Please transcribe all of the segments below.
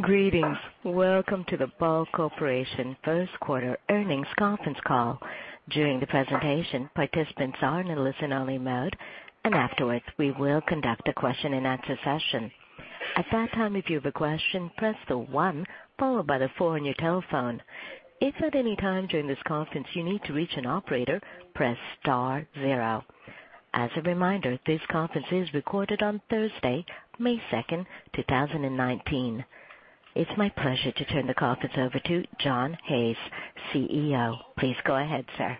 Greetings. Welcome to the Ball Corporation first quarter earnings conference call. During the presentation, participants are in a listen-only mode, and afterwards, we will conduct a question-and-answer session. At that time, if you have a question, press the one followed by the four on your telephone. If at any time during this conference you need to reach an operator, press star zero. As a reminder, this conference is recorded on Thursday, May 2nd, 2019. It's my pleasure to turn the conference over to John Hayes, CEO. Please go ahead, sir.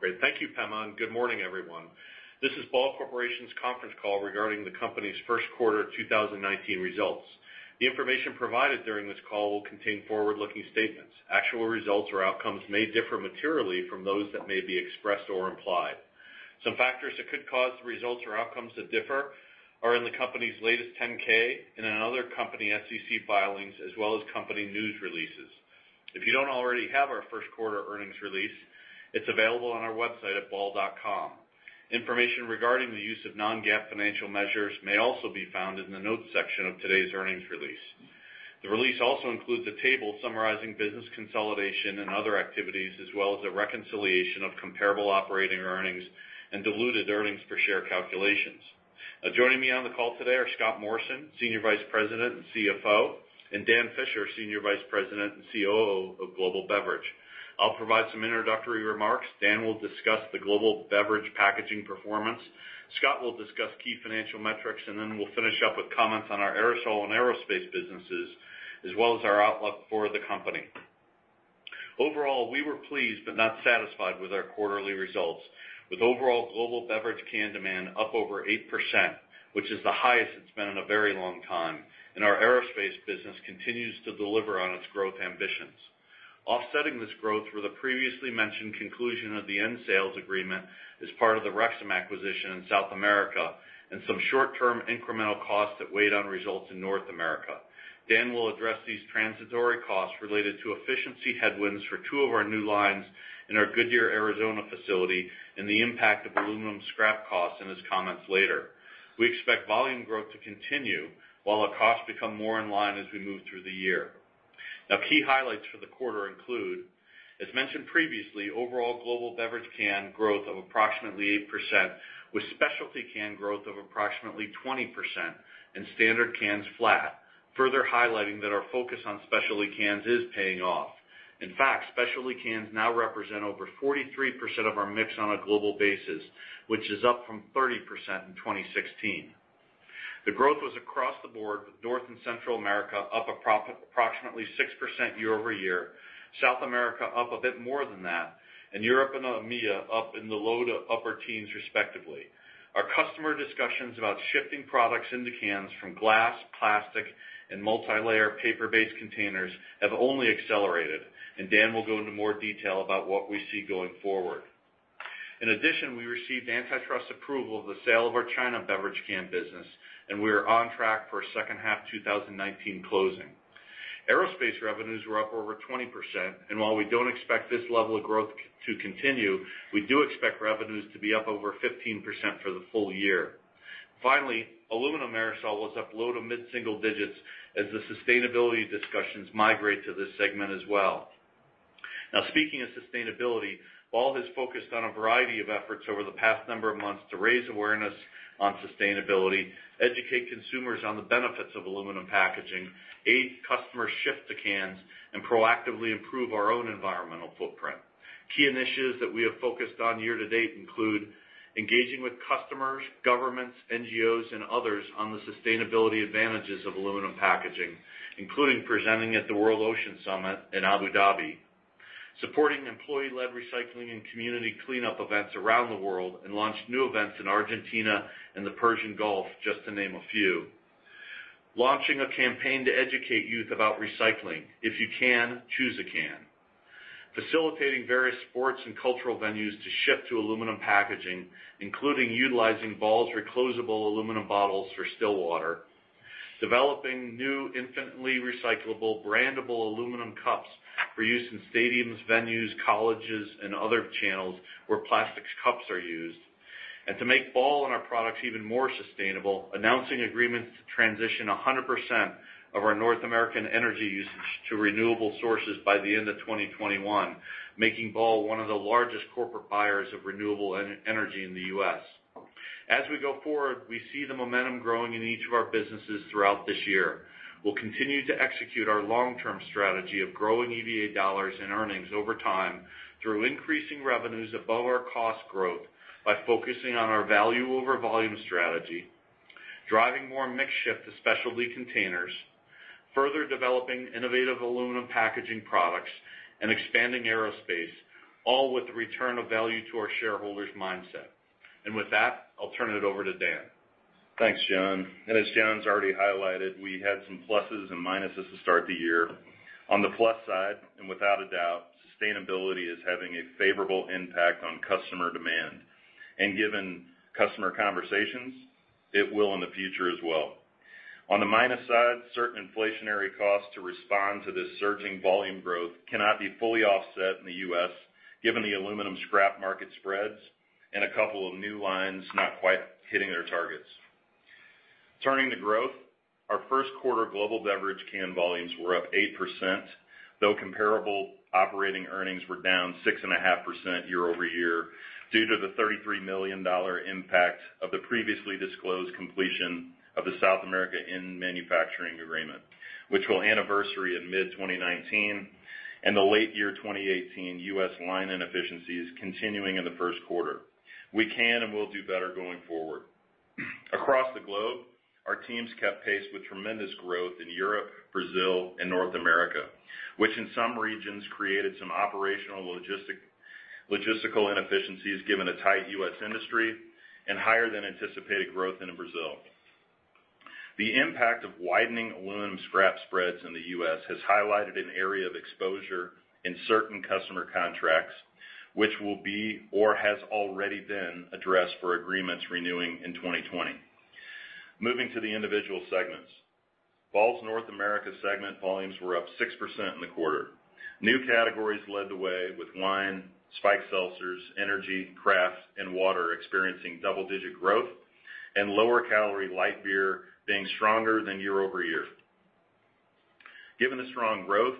Good morning, everyone. This is Ball Corporation's conference call regarding the company's first quarter 2019 results. The information provided during this call will contain forward-looking statements. Actual results or outcomes may differ materially from those that may be expressed or implied. Some factors that could cause the results or outcomes to differ are in the company's latest 10-K and in other company SEC filings, as well as company news releases. If you don't already have our first quarter earnings release, it's available on our website at ball.com. Information regarding the use of non-GAAP financial measures may also be found in the notes section of today's earnings release. The release also includes a table summarizing business consolidation and other activities, as well as a reconciliation of comparable operating earnings and diluted earnings per share calculations. Joining me on the call today are Scott Morrison, Senior Vice President and CFO, and Dan Fisher, Senior Vice President and COO of Global Beverage. I'll provide some introductory remarks. Dan will discuss the global beverage packaging performance. Scott will discuss key financial metrics. We'll finish up with comments on our aerosol and aerospace businesses, as well as our outlook for the company. Overall, we were pleased but not satisfied with our quarterly results, with overall global beverage can demand up over 8%, which is the highest it's been in a very long time, and our aerospace business continues to deliver on its growth ambitions. Offsetting this growth were the previously mentioned conclusion of the end sales agreement as part of the Rexam acquisition in South America and some short-term incremental costs that weighed on results in North America. Dan will address these transitory costs related to efficiency headwinds for two of our new lines in our Goodyear, Arizona facility and the impact of aluminum scrap costs in his comments later. We expect volume growth to continue while our costs become more in line as we move through the year. Key highlights for the quarter include, as mentioned previously, overall global beverage can growth of approximately 8%, with specialty can growth of approximately 20% and standard cans flat, further highlighting that our focus on specialty cans is paying off. In fact, specialty cans now represent over 43% of our mix on a global basis, which is up from 30% in 2016. The growth was across the board, with North and Central America up approximately 6% year-over-year, South America up a bit more than that, and Europe and EMEA up in the low to upper teens respectively. Our customer discussions about shifting products into cans from glass, plastic, and multilayer paper-based containers have only accelerated, and Dan will go into more detail about what we see going forward. In addition, we received antitrust approval of the sale of our China beverage can business, and we are on track for second half 2019 closing. Aerospace revenues were up over 20%, and while we don't expect this level of growth to continue, we do expect revenues to be up over 15% for the full year. Finally, aluminum aerosol was up low to mid-single digits as the sustainability discussions migrate to this segment as well. Now, speaking of sustainability, Ball has focused on a variety of efforts over the past number of months to raise awareness on sustainability, educate consumers on the benefits of aluminum packaging, aid customers shift to cans, and proactively improve our own environmental footprint. Key initiatives that we have focused on year to date include engaging with customers, governments, NGOs, and others on the sustainability advantages of aluminum packaging, including presenting at the World Ocean Summit in Abu Dhabi, supporting employee-led recycling and community cleanup events around the world and launched new events in Argentina and the Persian Gulf, just to name a few, launching a campaign to educate youth about recycling, "If you can, choose a can", facilitating various sports and cultural venues to shift to aluminum packaging, including utilizing Ball's reclosable aluminum bottles for still water, and developing new infinitely recyclable, brandable Ball Aluminum Cups for use in stadiums, venues, colleges, and other channels where plastics cups are used. To make Ball and our products even more sustainable, we are announcing agreements to transition 100% of our North American energy usage to renewable sources by the end of 2021, making Ball one of the largest corporate buyers of renewable energy in the U.S. As we go forward, we see the momentum growing in each of our businesses throughout this year. We'll continue to execute our long-term strategy of growing EVA dollars and earnings over time through increasing revenues above our cost growth by focusing on our value over volume strategy, driving more mix shift to specialty containers, further developing innovative aluminum packaging products, and expanding aerospace, all with the return of value to our shareholders mindset. With that, I'll turn it over to Dan. Thanks, John. As John's already highlighted, we had some pluses and minuses to start the year. On the plus side, and without a doubt, sustainability is having a favorable impact on customer demand. Given customer conversations, it will in the future as well. On the minus side, certain inflationary costs to respond to this surging volume growth cannot be fully offset in the U.S., given the aluminum scrap market spreads, and a couple of new lines not quite hitting their targets. Turning to growth, our first quarter global beverage can volumes were up 8%, though comparable operating earnings were down 6.5% year-over-year due to the $33 million impact of the previously disclosed completion of the South America manufacturing agreement, which will anniversary in mid-2019, and the late year 2018 U.S. line inefficiencies continuing in the first quarter. We can and will do better going forward. Across the globe, our teams kept pace with tremendous growth in Europe, Brazil, and North America, which in some regions created some operational logistical inefficiencies given a tight U.S. industry and higher than anticipated growth in Brazil. The impact of widening aluminum scrap spreads in the U.S. has highlighted an area of exposure in certain customer contracts, which will be or has already been addressed for agreements renewing in 2020. Moving to the individual segments. Ball's North America segment volumes were up 6% in the quarter. New categories led the way, with wine, spiked seltzers, energy, craft, and water experiencing double-digit growth, and lower calorie light beer being stronger than year-over-year. Given the strong growth,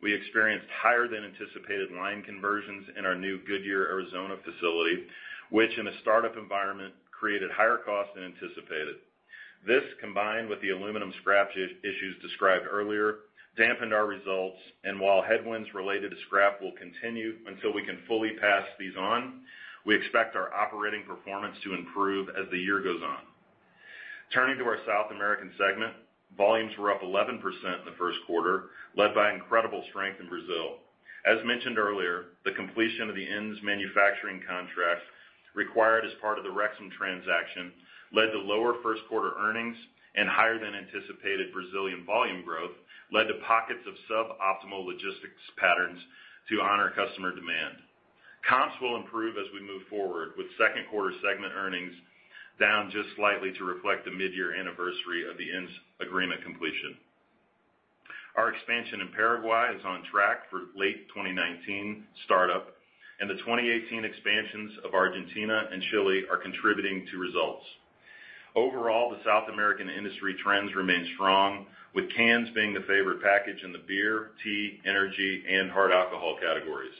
we experienced higher than anticipated line conversions in our new Goodyear, Arizona facility, which in a startup environment, created higher cost than anticipated. This, combined with the aluminum scrap issues described earlier, dampened our results, and while headwinds related to scrap will continue until we can fully pass these on, we expect our operating performance to improve as the year goes on. Turning to our South American segment, volumes were up 11% in the first quarter, led by incredible strength in Brazil. As mentioned earlier, the completion of the ends manufacturing contract, required as part of the Rexam transaction, led to lower first-quarter earnings and higher than anticipated Brazilian volume growth led to pockets of suboptimal logistics patterns to honor customer demand. Comps will improve as we move forward, with second quarter segment earnings down just slightly to reflect the midyear anniversary of the ends agreement completion. Our expansion in Paraguay is on track for late 2019 startup, and the 2018 expansions of Argentina and Chile are contributing to results. Overall, the South American industry trends remain strong, with cans being the favorite package in the beer, tea, energy, and hard alcohol categories.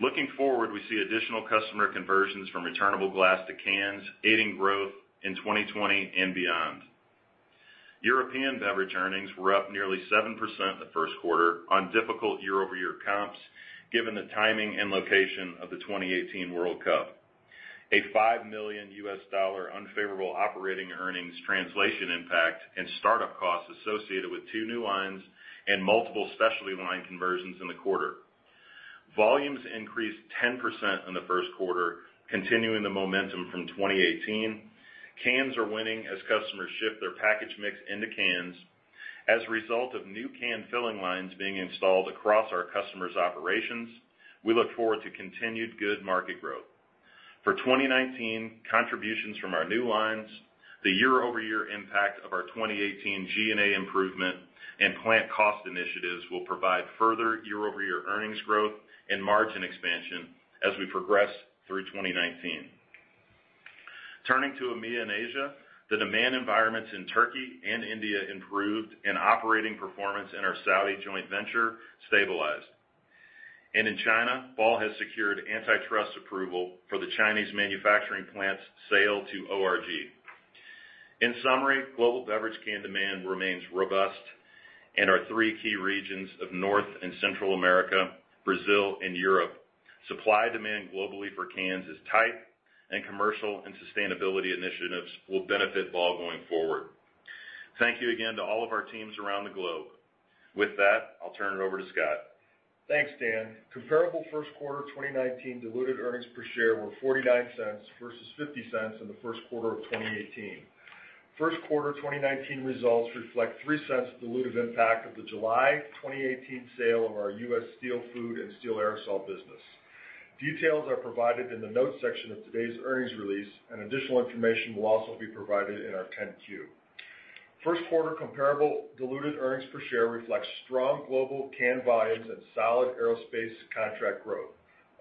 Looking forward, we see additional customer conversions from returnable glass to cans, aiding growth in 2020 and beyond. European beverage earnings were up nearly 7% in the first quarter on difficult year-over-year comps, given the timing and location of the 2018 World Cup. A $5 million unfavorable operating earnings translation impact and start-up costs associated with two new lines and multiple specialty line conversions in the quarter. Volumes increased 10% in the first quarter, continuing the momentum from 2018. Cans are winning as customers shift their package mix into cans. As a result of new can filling lines being installed across our customers' operations, we look forward to continued good market growth. For 2019, contributions from our new lines, the year-over-year impact of our 2018 G&A improvement, and plant cost initiatives will provide further year-over-year earnings growth and margin expansion as we progress through 2019. Turning to EMEA and Asia, the demand environments in Turkey and India improved, and operating performance in our Saudi joint venture stabilized. In China, Ball has secured antitrust approval for the Chinese manufacturing plant's sale to ORG. In summary, global beverage can demand remains robust in our three key regions of North and Central America, Brazil, and Europe. Supply-demand globally for cans is tight, and commercial and sustainability initiatives will benefit Ball going forward. Thank you again to all of our teams around the globe. With that, I'll turn it over to Scott. Thanks, Dan. Comparable first quarter 2019 diluted earnings per share were $0.49 versus $0.50 in the first quarter of 2018. First quarter 2019 results reflect $0.03 dilutive impact of the July 2018 sale of our U.S. steel food and steel aerosol business. Details are provided in the notes section of today's earnings release, and additional information will also be provided in our 10-Q. First quarter comparable diluted earnings per share reflects strong global can volumes and solid aerospace contract growth,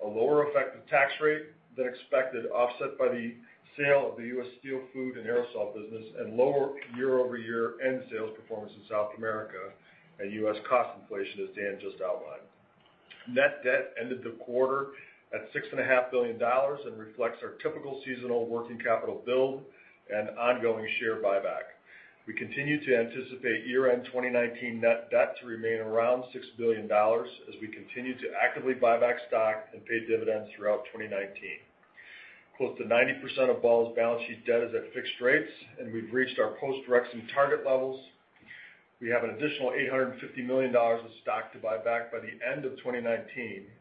a lower effective tax rate than expected, offset by the sale of the U.S. steel food and aerosol business, and lower year-over-year sales performance in South America and U.S. cost inflation, as Dan just outlined. Net debt ended the quarter at $6.5 billion and reflects our typical seasonal working capital build and ongoing share buyback. We continue to anticipate year-end 2019 net debt to remain around $6 billion as we continue to actively buy back stock and pay dividends throughout 2019. Close to 90% of Ball's balance sheet debt is at fixed rates, and we've reached our post-Rexam target levels. We have an additional $850 million of stock to buy back by the end of 2019,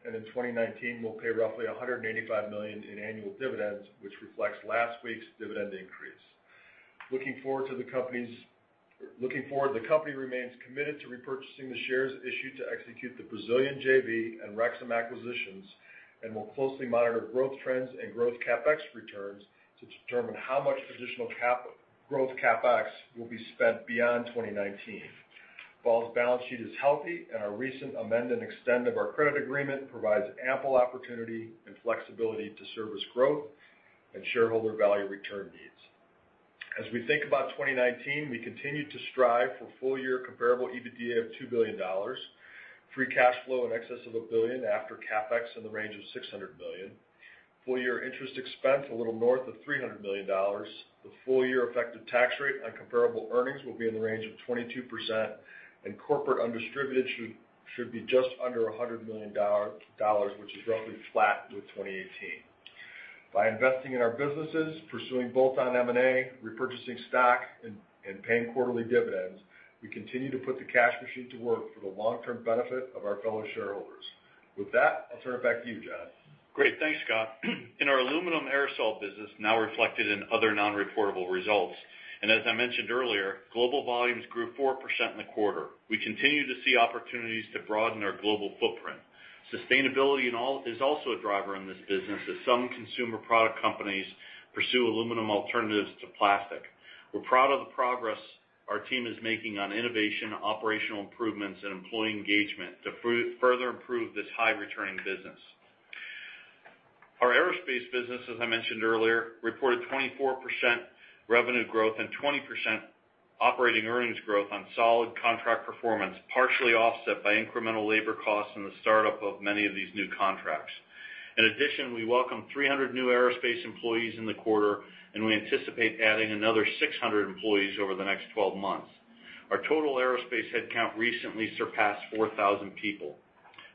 and in 2019, we'll pay roughly $185 million in annual dividends, which reflects last week's dividend increase. Looking forward, the company remains committed to repurchasing the shares issued to execute the Brazilian JV and Rexam acquisitions and will closely monitor growth trends and growth CapEx returns to determine how much additional growth CapEx will be spent beyond 2019. Ball's balance sheet is healthy, and our recent amend-and-extend of our credit agreement provides ample opportunity and flexibility to service growth and shareholder value return needs. As we think about 2019, we continue to strive for full-year comparable EBITDA of $2 billion, free cash flow in excess of $1 billion, after CapEx in the range of $600 million, full-year interest expense a little north of $300 million. The full-year effective tax rate on comparable earnings will be in the range of 22%, and corporate undistributed should be just under $100 million, which is roughly flat with 2018. By investing in our businesses, pursuing both M&A, repurchasing stock, and paying quarterly dividends, we continue to put the cash machine to work for the long-term benefit of our fellow shareholders. With that, I'll turn it back to you, John. Great. Thanks, Scott. In our aluminum aerosol business, now reflected in other non-reportable results, as I mentioned earlier, global volumes grew 4% in the quarter. We continue to see opportunities to broaden our global footprint. Sustainability is also a driver in this business as some consumer product companies pursue aluminum alternatives to plastic. We're proud of the progress our team is making on innovation, operational improvements, and employee engagement to further improve this high-returning business. Our aerospace business, as I mentioned earlier, reported 24% revenue growth and 20% operating earnings growth on solid contract performance, partially offset by incremental labor costs and the startup of many of these new contracts. In addition, we welcomed 300 new aerospace employees in the quarter, and we anticipate adding another 600 employees over the next 12 months. Our total aerospace headcount recently surpassed 4,000 people.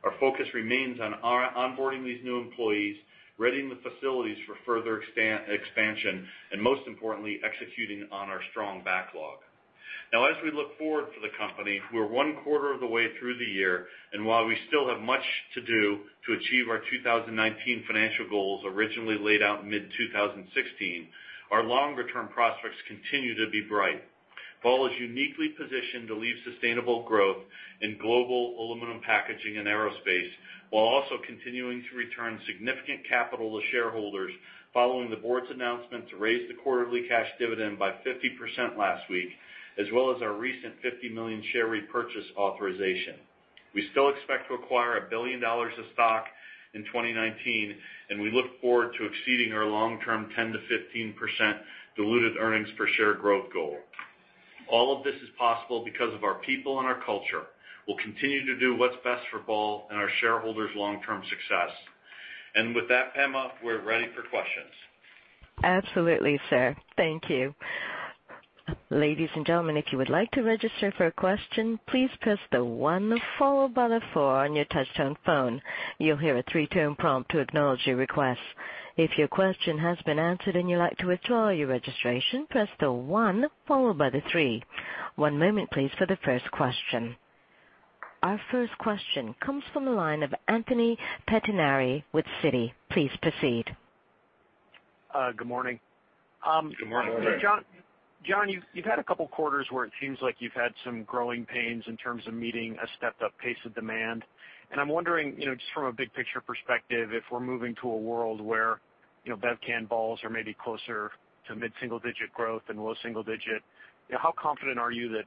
Our focus remains on onboarding these new employees, readying the facilities for further expansion, and most importantly, executing on our strong backlog. As we look forward for the company, we're one quarter of the way through the year, and while we still have much to do to achieve our 2019 financial goals originally laid out in mid-2016, our longer-term prospects continue to be bright. Ball is uniquely positioned to lead sustainable growth in global aluminum packaging and aerospace, while also continuing to return significant capital to shareholders following the board's announcement to raise the quarterly cash dividend by 50% last week, as well as our recent 50 million share repurchase authorization. We still expect to acquire $1 billion of stock in 2019, and we look forward to exceeding our long-term 10%-15% diluted earnings per share growth goal. All of this is possible because of our people and our culture. We'll continue to do what's best for Ball and our shareholders' long-term success. With that, Pema, we're ready for questions. Absolutely, sir. Thank you. Ladies and gentlemen, if you would like to register for a question, please press the one followed by the four on your touchtone phone. You'll hear a three-tone prompt to acknowledge your request. If your question has been answered and you'd like to withdraw your registration, press the one followed by the three. One moment, please, for the first question. Our first question comes from the line of Anthony Pettinari with Citi. Please proceed. Good morning. Good morning. Good morning. John, you've had a couple of quarters where it seems like you've had some growing pains in terms of meeting a stepped-up pace of demand, I'm wondering, just from a big picture perspective, if we're moving to a world where bev can vols are maybe closer to mid-single digit growth than low single digit. How confident are you that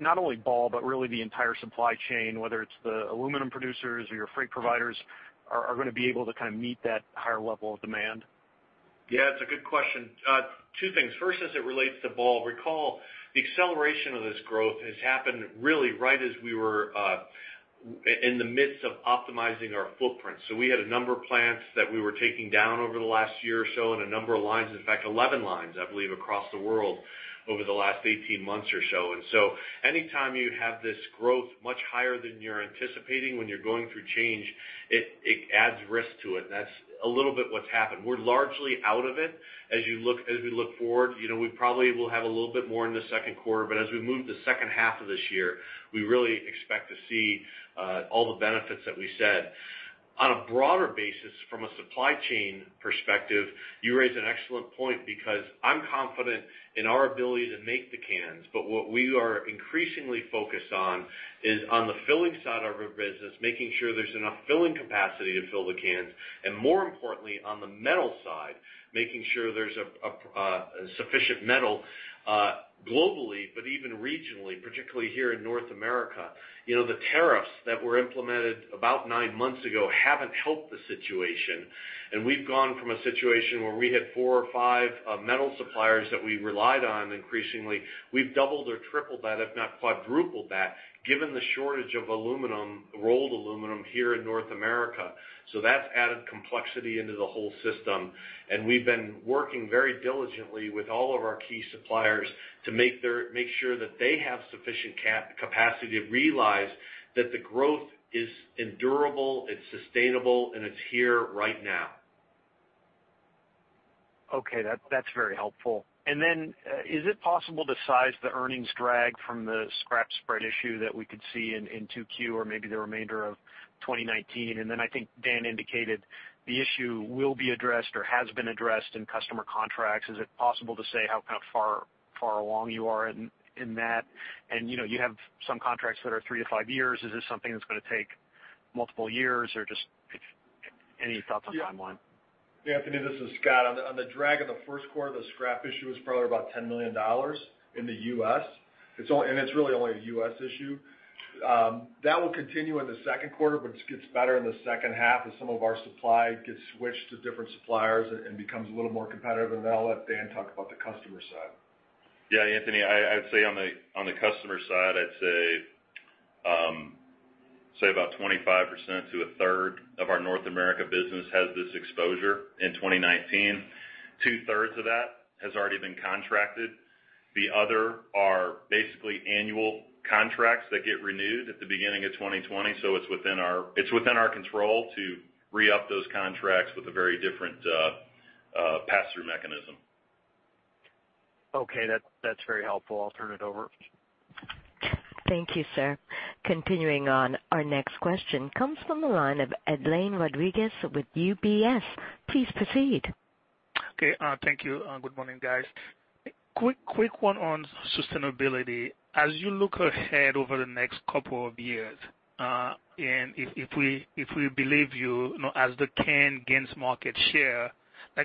not only Ball, but really the entire supply chain, whether it's the aluminum producers or your freight providers, are going to be able to meet that higher level of demand? Yeah, it's a good question. Two things. First, as it relates to Ball, recall the acceleration of this growth has happened really right as we were in the midst of optimizing our footprint. We had a number of plants that we were taking down over the last year or so and a number of lines, in fact, 11 lines, I believe, across the world over the last 18 months or so. Anytime you have this growth much higher than you're anticipating when you're going through change, it adds risk to it, and that's a little bit what's happened. We're largely out of it. As we look forward, we probably will have a little bit more in the second quarter, but as we move to the second half of this year, we really expect to see all the benefits that we said. On a broader basis, from a supply chain perspective, you raise an excellent point because I'm confident in our ability to make the cans, but what we are increasingly focused on is on the filling side of our business, making sure there's enough filling capacity to fill the cans, and more importantly, on the metal side, making sure there's sufficient metal globally, but even regionally, particularly here in North America. The tariffs that were implemented about nine months ago haven't helped the situation. We've gone from a situation where we had four or five metal suppliers that we relied on increasingly. We've doubled or tripled that, if not quadrupled that, given the shortage of rolled aluminum here in North America. That's added complexity into the whole system. We've been working very diligently with all of our key suppliers to make sure that they have sufficient capacity to realize that the growth is endurable, it's sustainable, and it's here right now. Okay. That's very helpful. Is it possible to size the earnings drag from the scrap spread issue that we could see in 2Q or maybe the remainder of 2019? Then I think Dan indicated the issue will be addressed or has been addressed in customer contracts. Is it possible to say how far along you are in that? You have some contracts that are three to five years. Is this something that's going to take multiple years or Any thoughts on timeline? Yeah, Anthony, this is Scott. On the drag of the first quarter, the scrap issue is probably about $10 million in the U.S., and it's really only a U.S. issue. That will continue in the second quarter, but it gets better in the second half as some of our supply gets switched to different suppliers and becomes a little more competitive. I'll let Dan talk about the customer side. Yeah, Anthony, I'd say on the customer side, I'd say about 25% to a third of our North America business has this exposure in 2019. Two-thirds of that has already been contracted. The other are basically annual contracts that get renewed at the beginning of 2020, so it's within our control to re-up those contracts with a very different pass-through mechanism. Okay. That's very helpful. I'll turn it over. Thank you, sir. Continuing on, our next question comes from the line of Edlain Rodriguez with UBS. Please proceed. Okay. Thank you, good morning, guys. Quick one on sustainability. As you look ahead over the next couple of years, if we believe you, as the can gains market share,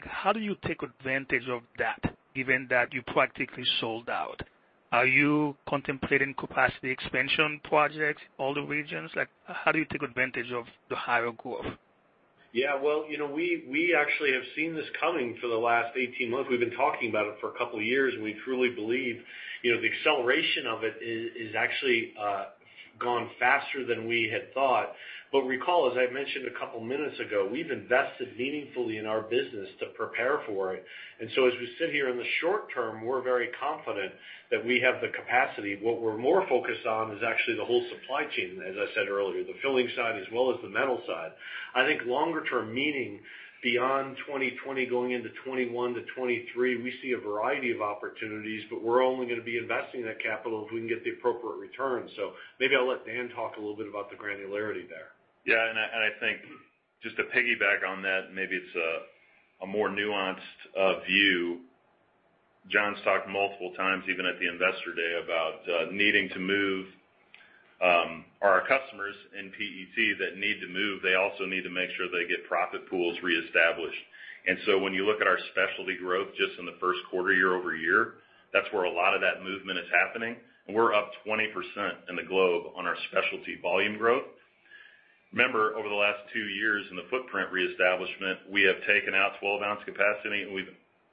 how do you take advantage of that, given that you practically sold out? Are you contemplating capacity expansion projects, all the regions? How do you take advantage of the higher growth? Yeah. We actually have seen this coming for the last 18 months. We've been talking about it for a couple of years, we truly believe the acceleration of it is actually gone faster than we had thought. Recall, as I mentioned a couple of minutes ago, we've invested meaningfully in our business to prepare for it. As we sit here in the short term, we're very confident that we have the capacity. What we're more focused on is actually the whole supply chain, as I said earlier. The filling side as well as the metal side. I think longer term, meaning beyond 2020, going into 2021 to 2023, we see a variety of opportunities, we're only going to be investing that capital if we can get the appropriate return. Maybe I'll let Dan talk a little bit about the granularity there. Yeah, I think just to piggyback on that, maybe it's a more nuanced view. John's talked multiple times, even at the investor day, about needing to move our customers in PET that need to move. They also need to make sure they get profit pools reestablished. When you look at our specialty growth just in the first quarter, year-over-year, that's where a lot of that movement is happening, and we're up 20% in the globe on our specialty volume growth. Remember, over the last two years in the footprint reestablishment, we have taken out 12-ounce capacity, and we've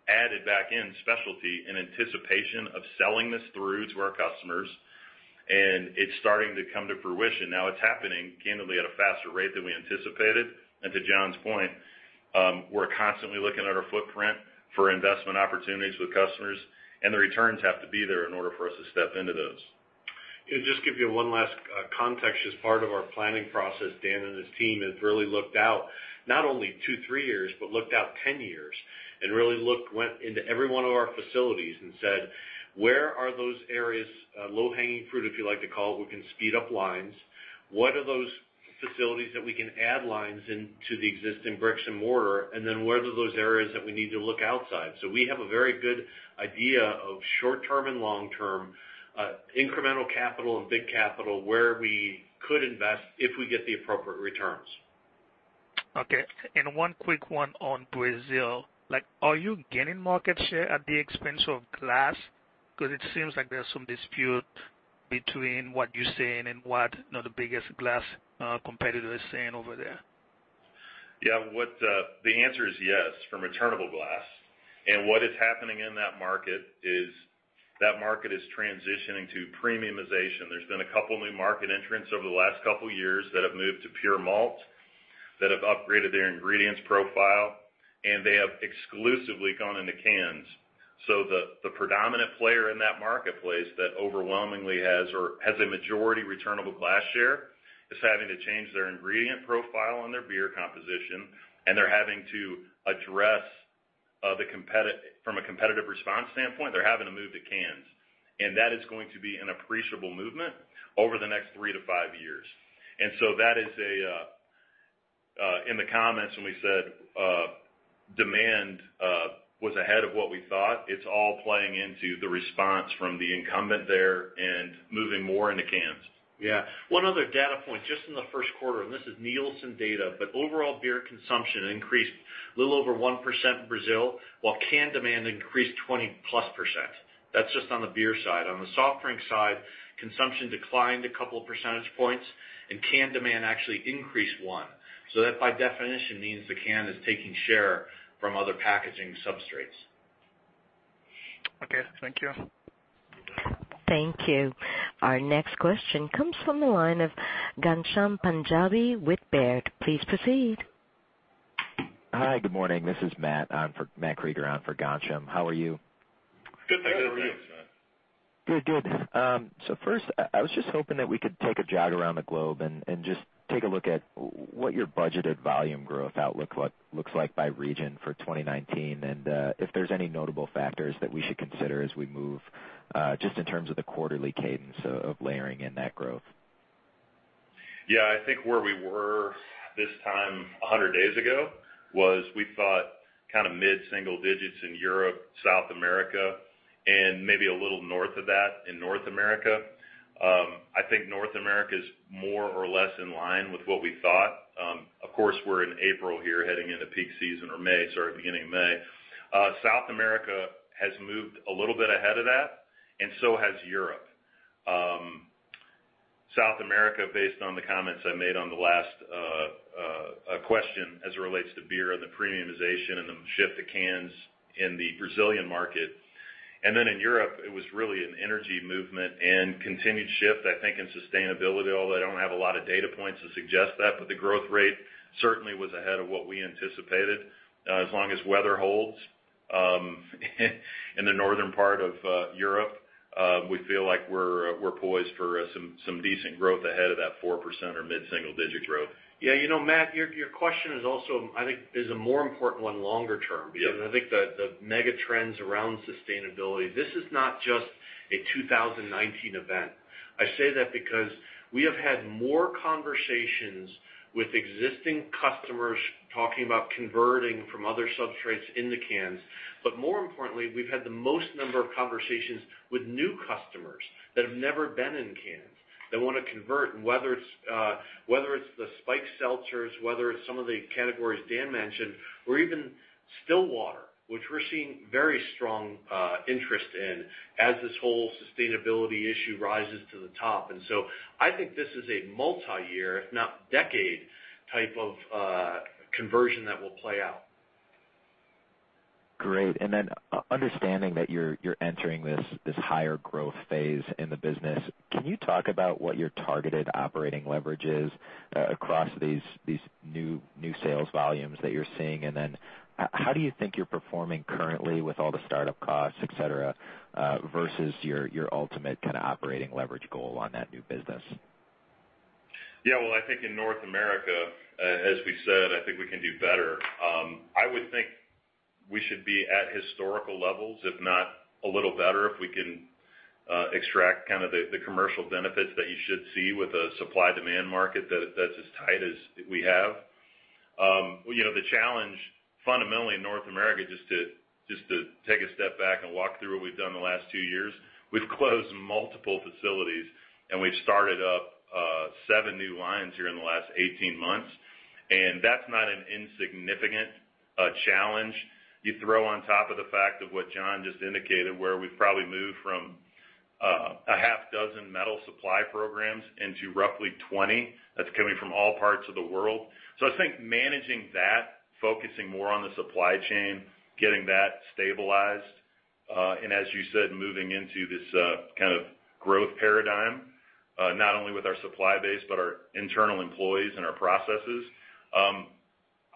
added back in specialty in anticipation of selling this through to our customers, and it's starting to come to fruition now. It's happening, candidly, at a faster rate than we anticipated, to John's point, we're constantly looking at our footprint for investment opportunities with customers, the returns have to be there in order for us to step into those. Just give you one last context. As part of our planning process, Dan and his team have really looked out not only two, three years, but looked out 10 years and really went into every one of our facilities and said, "Where are those areas, low-hanging fruit, if you like to call, we can speed up lines? What are those facilities that we can add lines into the existing bricks and mortar? Where are those areas that we need to look outside?" We have a very good idea of short-term and long-term incremental capital and big capital where we could invest if we get the appropriate returns. Okay. One quick one on Brazil. Are you gaining market share at the expense of glass? Because it seems like there's some dispute between what you're saying and what the biggest glass competitor is saying over there. Yeah. The answer is yes, from returnable glass. What is happening in that market is that market is transitioning to premiumization. There's been a couple of new market entrants over the last couple of years that have moved to pure malt, that have upgraded their ingredients profile, and they have exclusively gone into cans. The predominant player in that marketplace that overwhelmingly has a majority returnable glass share, is having to change their ingredient profile and their beer composition. They're having to address from a competitive response standpoint, they're having to move to cans. That is going to be an appreciable movement over the next 3 to 5 years. That is in the comments when we said demand was ahead of what we thought. It's all playing into the response from the incumbent there and moving more into cans. Yeah. One other data point, just in the first quarter, this is Nielsen data, but overall beer consumption increased a little over 1% in Brazil, while can demand increased 20%+. That's just on the beer side. On the soft drink side, consumption declined a couple of percentage points, can demand actually increased one. That, by definition, means the can is taking share from other packaging substrates. Okay. Thank you. Thank you. Our next question comes from the line of Ghansham Panjabi with Baird. Please proceed. Hi, good morning. This is Matt Krieger on for Ghansham. How are you? Good. How are you? Good, thank you, Matt. Good. First, I was just hoping that we could take a jog around the globe and just take a look at what your budgeted volume growth outlook looks like by region for 2019, and if there's any notable factors that we should consider as we move, just in terms of the quarterly cadence of layering in that growth. Yeah, I think where we were this time 100 days ago was, we thought mid-single digits in Europe, South America, and maybe a little north of that in North America. I think North America is more or less in line with what we thought. Of course, we're in April here, heading into peak season or May, sorry, beginning of May. South America has moved a little bit ahead of that, and so has Europe. South America, based on the comments I made on the last question as it relates to beer and the premiumization and the shift to cans in the Brazilian market. Then in Europe, it was really an energy movement and continued shift, I think, in sustainability, although I don't have a lot of data points to suggest that, but the growth rate certainly was ahead of what we anticipated. As long as weather holds in the northern part of Europe, we feel like we're poised for some decent growth ahead of that 4% or mid-single digit growth. Yeah. Matt, your question is also, I think, is a more important one longer term. Yep. I think the mega trends around sustainability, this is not just a 2019 event. I say that because we have had more conversations with existing customers talking about converting from other substrates into cans. More importantly, we've had the most number of conversations with new customers that have never been in cans that want to convert, whether it's the spiked seltzers, whether it's some of the categories Dan mentioned, or even still water, which we're seeing very strong interest in as this whole sustainability issue rises to the top. I think this is a multi-year, if not decade, type of conversion that will play out. Great. Understanding that you're entering this higher growth phase in the business, can you talk about what your targeted operating leverage is across these new sales volumes that you're seeing? How do you think you're performing currently with all the startup costs, et cetera, versus your ultimate operating leverage goal on that new business? Well, I think in North America, as we said, I think we can do better. I would think we should be at historical levels, if not a little better, if we can extract the commercial benefits that you should see with a supply/demand market that's as tight as we have. The challenge fundamentally in North America, just to take a step back and walk through what we've done the last two years, we've closed multiple facilities, and we've started up seven new lines here in the last 18 months. That's not an insignificant challenge. You throw on top of the fact of what John just indicated, where we've probably moved from a half dozen metal supply programs into roughly 20, that's coming from all parts of the world. I think managing that, focusing more on the supply chain, getting that stabilized, and as you said, moving into this kind of growth paradigm, not only with our supply base, but our internal employees and our processes.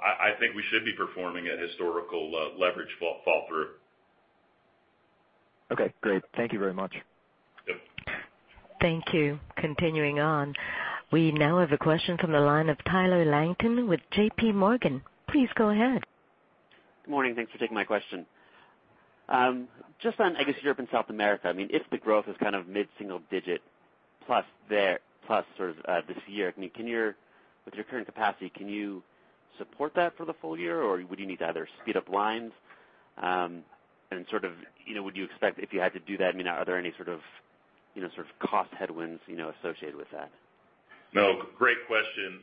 I think we should be performing at historical leverage fall through. Okay, great. Thank you very much. Yep. Thank you. Continuing on. We now have a question from the line of Tyler Langton with J.P. Morgan. Please go ahead. Good morning. Thanks for taking my question. Just on, I guess, Europe and South America, if the growth is mid-single digit plus this year, with your current capacity, can you support that for the full year, or would you need to either speed up lines? Would you expect if you had to do that, are there any sort of cost headwinds associated with that? No, great question.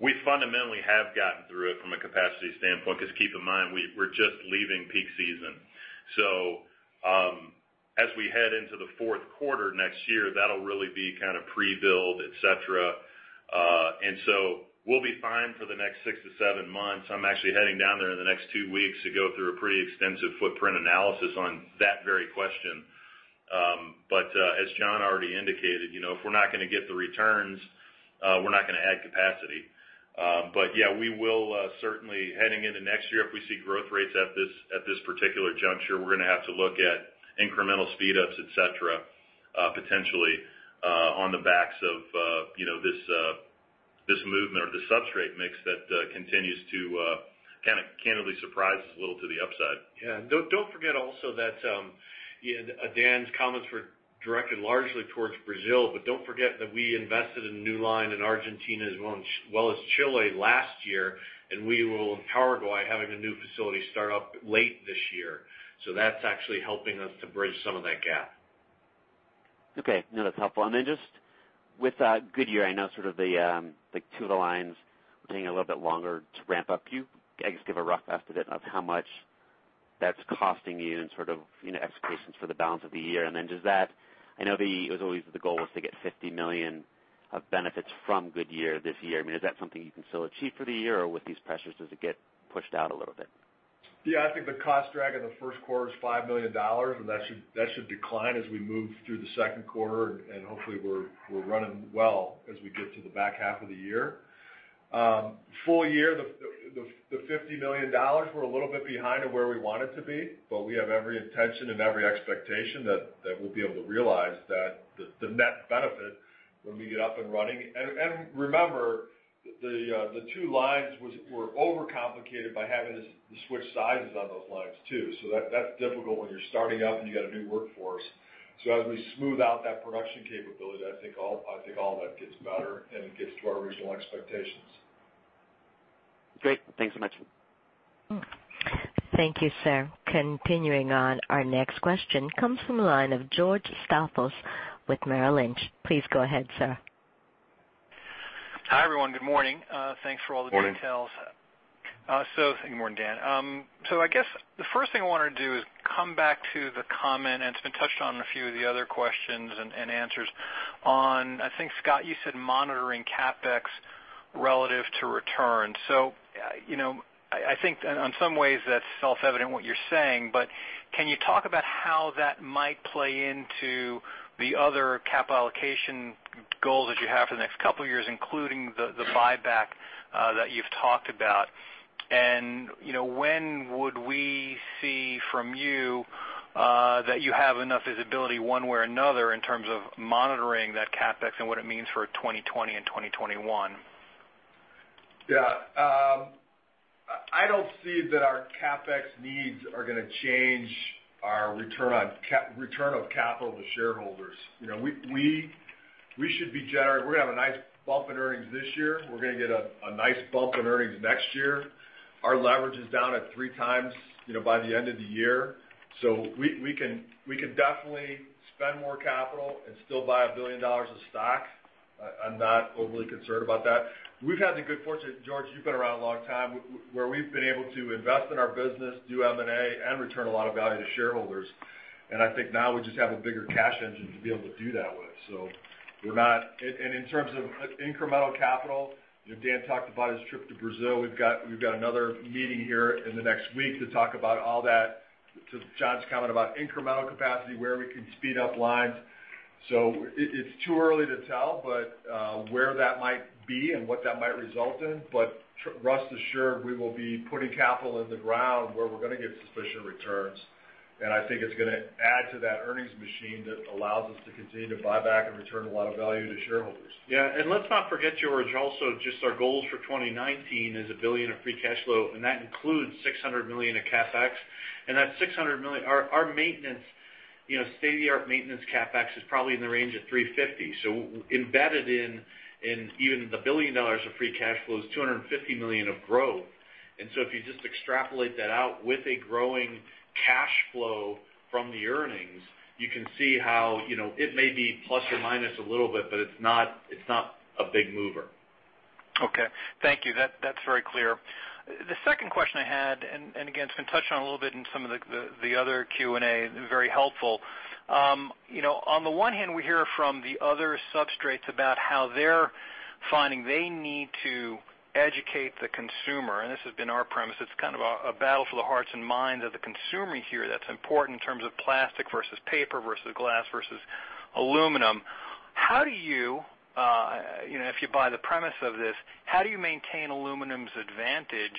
We fundamentally have gotten through it from a capacity standpoint, because keep in mind, we're just leaving peak season. As we head into the fourth quarter next year, that'll really be pre-build, et cetera. We'll be fine for the next six to seven months. I'm actually heading down there in the next two weeks to go through a pretty extensive footprint analysis on that very question. As John already indicated, if we're not going to get the returns, we're not going to add capacity. Yeah, we will certainly, heading into next year, if we see growth rates at this particular juncture, we're going to have to look at incremental speedups, et cetera, potentially, on the backs of this movement or the substrate mix that continues to candidly surprise us a little to the upside. Yeah, don't forget also that Dan's comments were directed largely towards Brazil, but don't forget that we invested in a new line in Argentina, as well as Chile last year, and we will in Paraguay, having a new facility start up late this year. That's actually helping us to bridge some of that gap. Okay. No, that's helpful. Just with Goodyear, I know the two of the lines were taking a little bit longer to ramp up. Can you, I guess, give a rough estimate of how much that's costing you and expectations for the balance of the year? Just that, I know the goal was to get $50 million of benefits from Goodyear this year. Is that something you can still achieve for the year, or with these pressures, does it get pushed out a little bit? Yeah, I think the cost drag in the first quarter is $5 million. That should decline as we move through the second quarter, and hopefully we're running well as we get to the back half of the year. Full year, the $50 million, we're a little bit behind of where we wanted to be, but we have every intention and every expectation that we'll be able to realize the net benefit when we get up and running. Remember, the two lines were complicated by having to switch sizes on those lines too. That's difficult when you're starting up and you got a new workforce. As we smooth out that production capability, I think all of that gets better, and it gets to our original expectations. Great. Thanks so much. Thank you, sir. Continuing on, our next question comes from the line of George Staphos with Merrill Lynch. Please go ahead, sir. Hi, everyone. Good morning. Thanks for all the details. Morning. Good morning, Dan. I guess the first thing I wanted to do is come back to the comment, and it's been touched on in a few of the other questions and answers on, I think, Scott, you said monitoring CapEx relative to return. I think in some ways that's self-evident what you're saying, but can you talk about how that might play into the other capital allocation goals that you have for the next couple of years, including the buyback that you've talked about? When would we see from you that you have enough visibility one way or another in terms of monitoring that CapEx and what it means for 2020 and 2021? Yeah. I don't see that our CapEx needs are going to change our return on capital to shareholders. We're going to have a nice bump in earnings this year. We're going to get a nice bump in earnings next year. Our leverage is down at 3 times by the end of the year. We can definitely spend more capital and still buy $1 billion of stock. I'm not overly concerned about that. We've had the good fortune, George, you've been around a long time, where we've been able to invest in our business, do M&A, and return a lot of value to shareholders, and I think now we just have a bigger cash engine to be able to do that with. In terms of incremental capital, Dan talked about his trip to Brazil. We've got another meeting here in the next week to talk about all that. To John's comment about incremental capacity, where we can speed up lines. It's too early to tell, but where that might be and what that might result in. Rest assured, we will be putting capital in the ground where we're going to get sufficient returns, and I think it's going to add to that earnings machine that allows us to continue to buy back and return a lot of value to shareholders. Yeah. Let's not forget, George, also just our goals for 2019 is $1 billion in free cash flow, and that includes $600 million in CapEx. That $600 million, our state-of-the-art maintenance CapEx is probably in the range of $350. Embedded in even the $1 billion of free cash flow is $250 million of growth. If you just extrapolate that out with a growing cash flow from the earnings, you can see how it may be plus or minus a little bit, but it's not a big mover. Okay. Thank you. That's very clear. The second question I had, again, it's been touched on a little bit in some of the other Q&A, very helpful. On the one hand, we hear from the other substrates about how they're finding they need to educate the consumer, and this has been our premise. It's kind of a battle for the hearts and minds of the consumer here that's important in terms of plastic versus paper versus glass versus aluminum. If you buy the premise of this, how do you maintain aluminum's advantage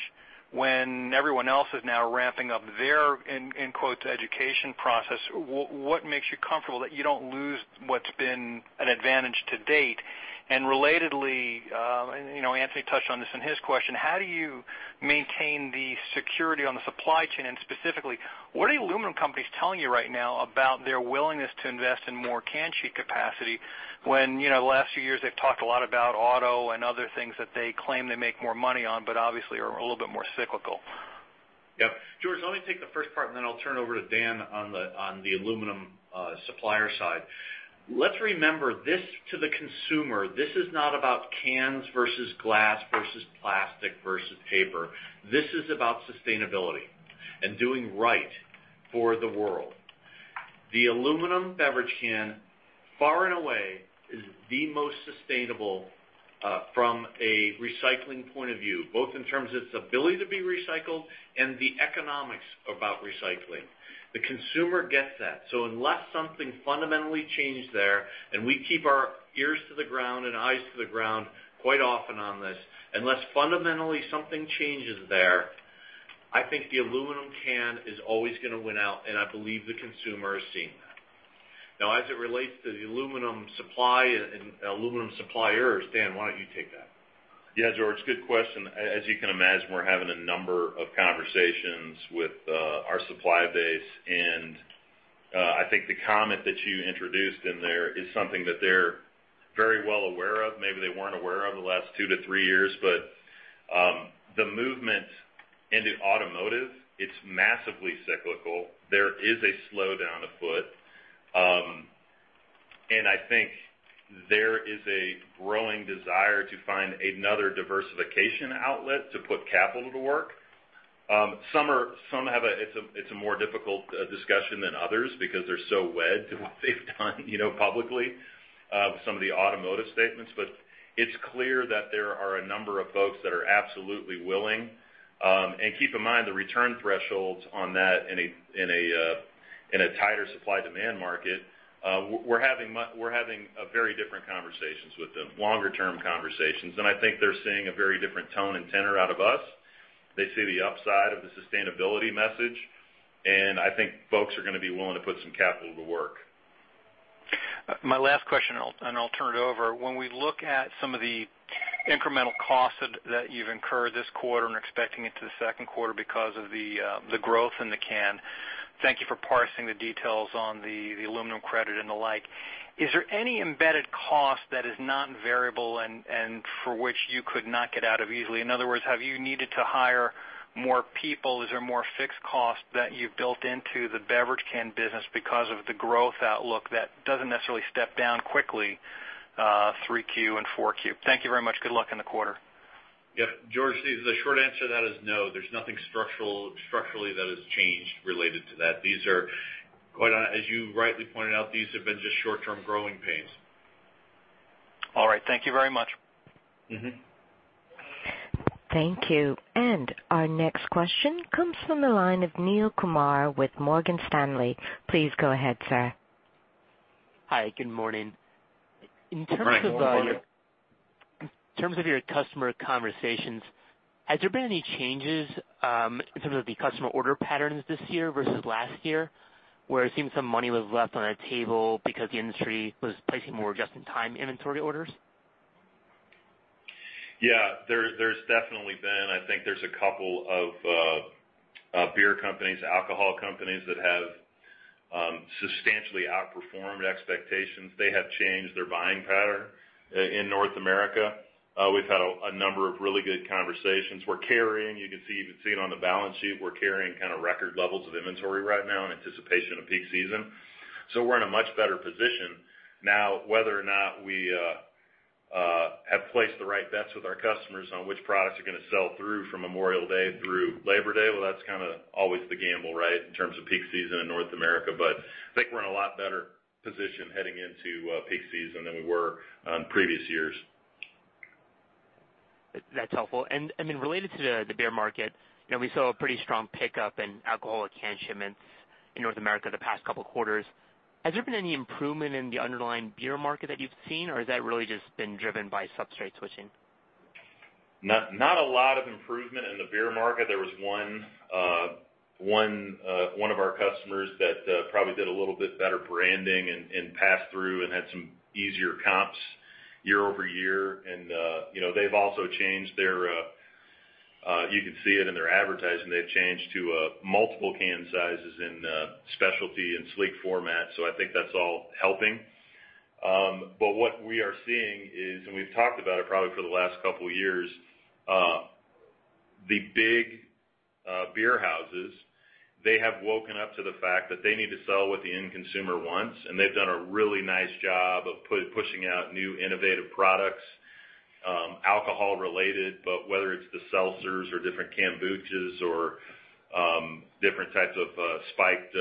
when everyone else is now ramping up their, in quotes, education process? What makes you comfortable that you don't lose what's been an advantage to date? Relatedly, Anthony touched on this in his question, how do you maintain the security on the supply chain? Specifically, what are the aluminum companies telling you right now about their willingness to invest in more can sheet capacity when the last few years they've talked a lot about auto and other things that they claim they make more money on, but obviously, are a little bit more cyclical? Yep. George, let me take the first part, then I'll turn it over to Dan on the aluminum supplier side. Let's remember, this to the consumer. This is not about cans versus glass versus plastic versus paper. This is about sustainability and doing right for the world. The aluminum beverage can, far and away, is the most sustainable from a recycling point of view, both in terms of its ability to be recycled and the economics about recycling. The consumer gets that. Unless something fundamentally changes there, and we keep our ears to the ground and eyes to the ground quite often on this, unless fundamentally something changes there, I think the aluminum can is always going to win out, and I believe the consumer is seeing that. Now, as it relates to the aluminum supply and aluminum suppliers, Dan, why don't you take that? Yeah, George, good question. As you can imagine, we're having a number of conversations with our supply base, and I think the comment that you introduced in there is something that they're very well aware of. Maybe they weren't aware of the last two to three years, but the movement into automotive, it's massively cyclical. There is a slowdown afoot. I think there is a growing desire to find another diversification outlet to put capital to work. It's a more difficult discussion than others because they're so wed to what they've done publicly with some of the automotive statements. It's clear that there are a number of folks that are absolutely willing. Keep in mind the return thresholds on that in a tighter supply-demand market, we're having very different conversations with them, longer-term conversations, and I think they're seeing a very different tone and tenor out of us. They see the upside of the sustainability message, and I think folks are going to be willing to put some capital to work. My last question, and I'll turn it over. When we look at some of the incremental costs that you've incurred this quarter and are expecting into the second quarter because of the growth in the can, thank you for parsing the details on the aluminum credit and the like. Is there any embedded cost that is not variable and for which you could not get out of easily? In other words, have you needed to hire more people? Is there more fixed cost that you've built into the beverage can business because of the growth outlook that doesn't necessarily step down quickly, 3Q and 4Q? Thank you very much. Good luck in the quarter. Yep. George, the short answer to that is no. There's nothing structurally that has changed related to that. As you rightly pointed out, these have been just short-term growing pains. All right. Thank you very much. Thank you. Our next question comes from the line of Neel Kumar with Morgan Stanley. Please go ahead, sir. Hi, good morning. Good morning. In terms of your customer conversations, has there been any changes in terms of the customer order patterns this year versus last year, where it seemed some money was left on a table because the industry was placing more just-in-time inventory orders? Yeah. There's definitely I think there's a couple of beer companies, alcohol companies that have substantially outperformed expectations. They have changed their buying pattern in North America. We've had a number of really good conversations. You can see it on the balance sheet, we're carrying kind of record levels of inventory right now in anticipation of peak season. We're in a much better position. Now, whether or not we have placed the right bets with our customers on which products are going to sell through from Memorial Day through Labor Day, well, that's kind of always the gamble, right, in terms of peak season in North America. I think we're in a lot better position heading into peak season than we were on previous years. That's helpful. Related to the beer market, we saw a pretty strong pickup in alcoholic can shipments in North America the past couple of quarters. Has there been any improvement in the underlying beer market that you've seen, or has that really just been driven by substrate switching? Not a lot of improvement in the beer market. There was one of our customers that probably did a little bit better branding and pass through and had some easier comps year-over-year. You can see it in their advertising. They've changed to multiple can sizes in specialty and sleek format. I think that's all helping. What we are seeing is, and we've talked about it probably for the last couple of years, the big beer houses, they have woken up to the fact that they need to sell what the end consumer wants, and they've done a really nice job of pushing out new innovative products, alcohol related. Whether it's the seltzers or different kombuchas or different types of spiked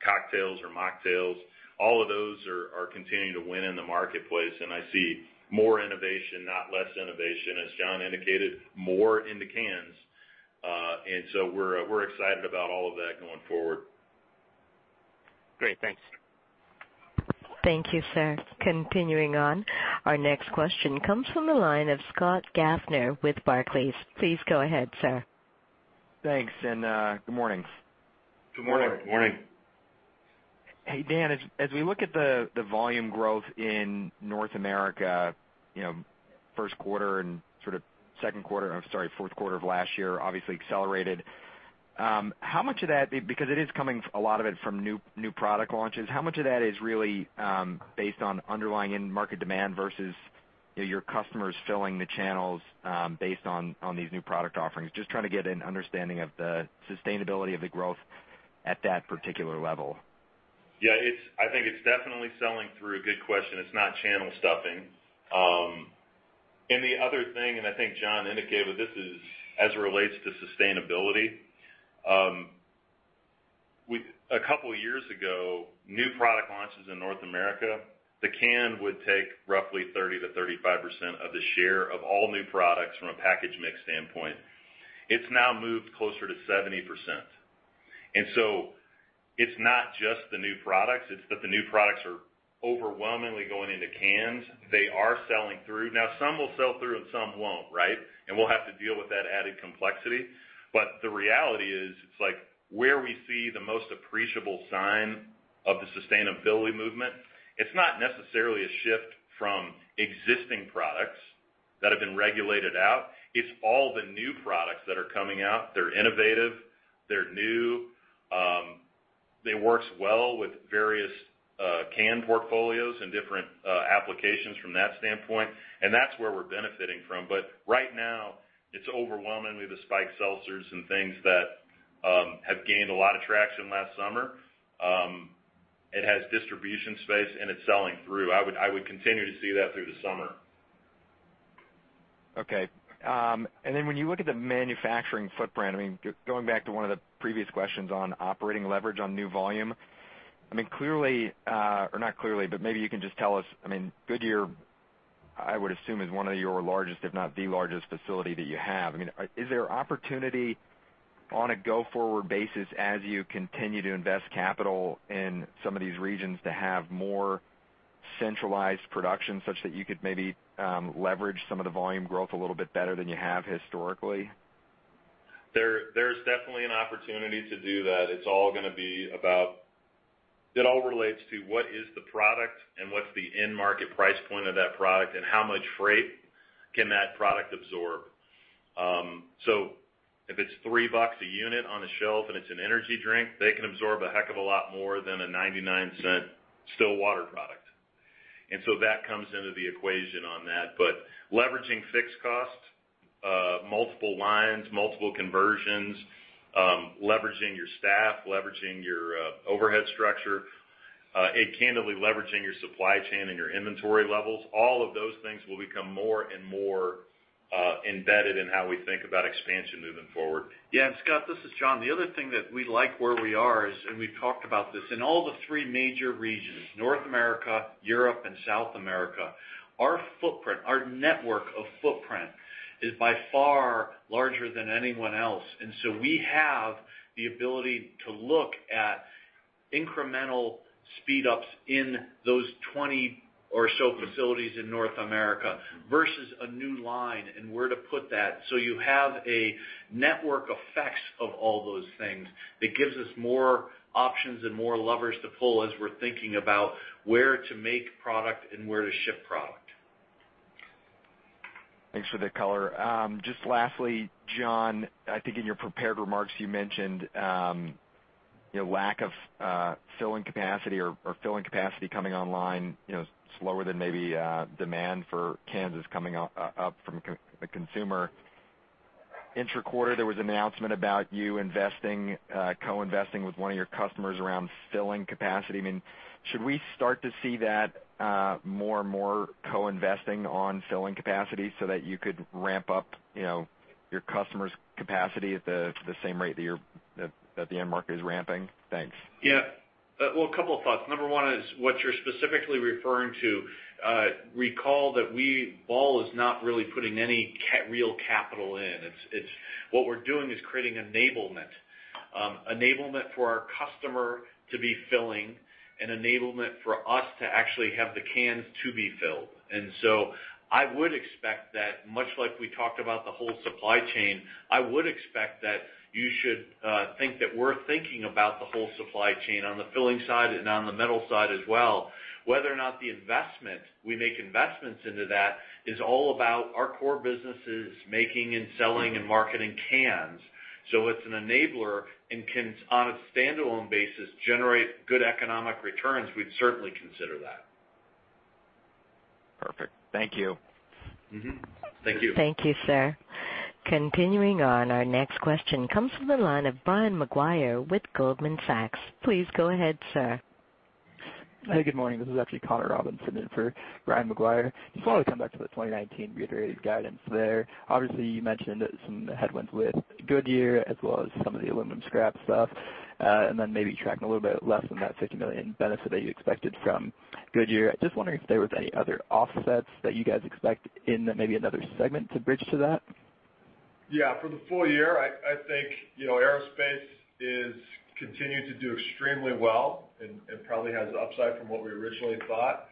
cocktails or mocktails, all of those are continuing to win in the marketplace, and I see more innovation, not less innovation, as John indicated, more into cans. We're excited about all of that going forward. Great. Thanks. Thank you, sir. Continuing on, our next question comes from the line of Scott Gaffner with Barclays. Please go ahead, sir. Thanks, good morning. Good morning. Morning. Hey, Dan, as we look at the volume growth in North America, first quarter and sort of second quarter, I'm sorry, fourth quarter of last year, obviously accelerated. Because it is coming, a lot of it from new product launches, how much of that is really based on underlying end market demand versus your customers filling the channels based on these new product offerings? Just trying to get an understanding of the sustainability of the growth at that particular level. Yeah. I think it's definitely selling through. Good question. It's not channel stuffing. The other thing, I think John indicated this is as it relates to sustainability. A couple of years ago, new product launches in North America, the can would take roughly 30%-35% of the share of all new products from a package mix standpoint. It's now moved closer to 70%. It's not just the new products, it's that the new products are overwhelmingly going into cans. They are selling through. Now, some will sell through, and some won't, right? We'll have to deal with that added complexity. The reality is, it's like where we see the most appreciable sign of the sustainability movement, it's not necessarily a shift from existing products that have been regulated out. It's all the new products that are coming out. They're innovative, they're new. They works well with various can portfolios and different applications from that standpoint, that's where we're benefiting from. Right now, it's overwhelmingly the spiked seltzers and things that have gained a lot of traction last summer. It has distribution space, it's selling through. I would continue to see that through the summer. Okay. When you look at the manufacturing footprint, going back to one of the previous questions on operating leverage on new volume. Maybe you can just tell us, Goodyear, I would assume is one of your largest, if not the largest facility that you have. Is there opportunity on a go-forward basis as you continue to invest capital in some of these regions to have more centralized production such that you could maybe leverage some of the volume growth a little bit better than you have historically? There's definitely an opportunity to do that. It all relates to what is the product and what's the end market price point of that product, how much freight can that product absorb? If it's $3 a unit on a shelf and it's an energy drink, they can absorb a heck of a lot more than a $0.99 still water product. That comes into the equation on that. Leveraging fixed costs, multiple lines, multiple conversions, leveraging your staff, leveraging your overhead structure, candidly, leveraging your supply chain and your inventory levels, all of those things will become more and more embedded in how we think about expansion moving forward. Scott, this is John. The other thing that we like where we are is, and we've talked about this, in all the three major regions, North America, Europe, and South America, our footprint, our network of footprint, is by far larger than anyone else. We have the ability to look at incremental speedups in those 20 or so facilities in North America versus a new line and where to put that. You have a network effects of all those things that gives us more options and more levers to pull as we're thinking about where to make product and where to ship product. Thanks for the color. Just lastly, John, I think in your prepared remarks, you mentioned lack of filling capacity or filling capacity coming online slower than maybe demand for cans is coming up from the consumer. Intra-quarter, there was an announcement about you co-investing with one of your customers around filling capacity. Should we start to see that more and more co-investing on filling capacity so that you could ramp up your customer's capacity at the same rate that the end market is ramping? Thanks. Yeah. Well, a couple of thoughts. Number one is what you're specifically referring to, recall that Ball is not really putting any real capital in. What we're doing is creating enablement. Enablement for our customer to be filling and enablement for us to actually have the cans to be filled. I would expect that much like we talked about the whole supply chain, I would expect that you should think that we're thinking about the whole supply chain on the filling side and on the metal side as well. Whether or not we make investments into that is all about our core businesses making and selling and marketing cans. It's an enabler and can, on a standalone basis, generate good economic returns, we'd certainly consider that. Perfect. Thank you. Mm-hmm. Thank you. Thank you, sir. Continuing on, our next question comes from the line of Brian Maguire with Goldman Sachs. Please go ahead, sir. Hey, good morning. This is actually Connor Robbind in for Brian Maguire. Just wanted to come back to the 2019 reiterated guidance there. Obviously, you mentioned some headwinds with Goodyear as well as some of the aluminum scrap stuff, and then maybe tracking a little bit less than that $50 million benefit that you expected from Goodyear. Just wondering if there was any other offsets that you guys expect in maybe another segment to bridge to that. Yeah. For the full year, I think aerospace is continuing to do extremely well and probably has upside from what we originally thought.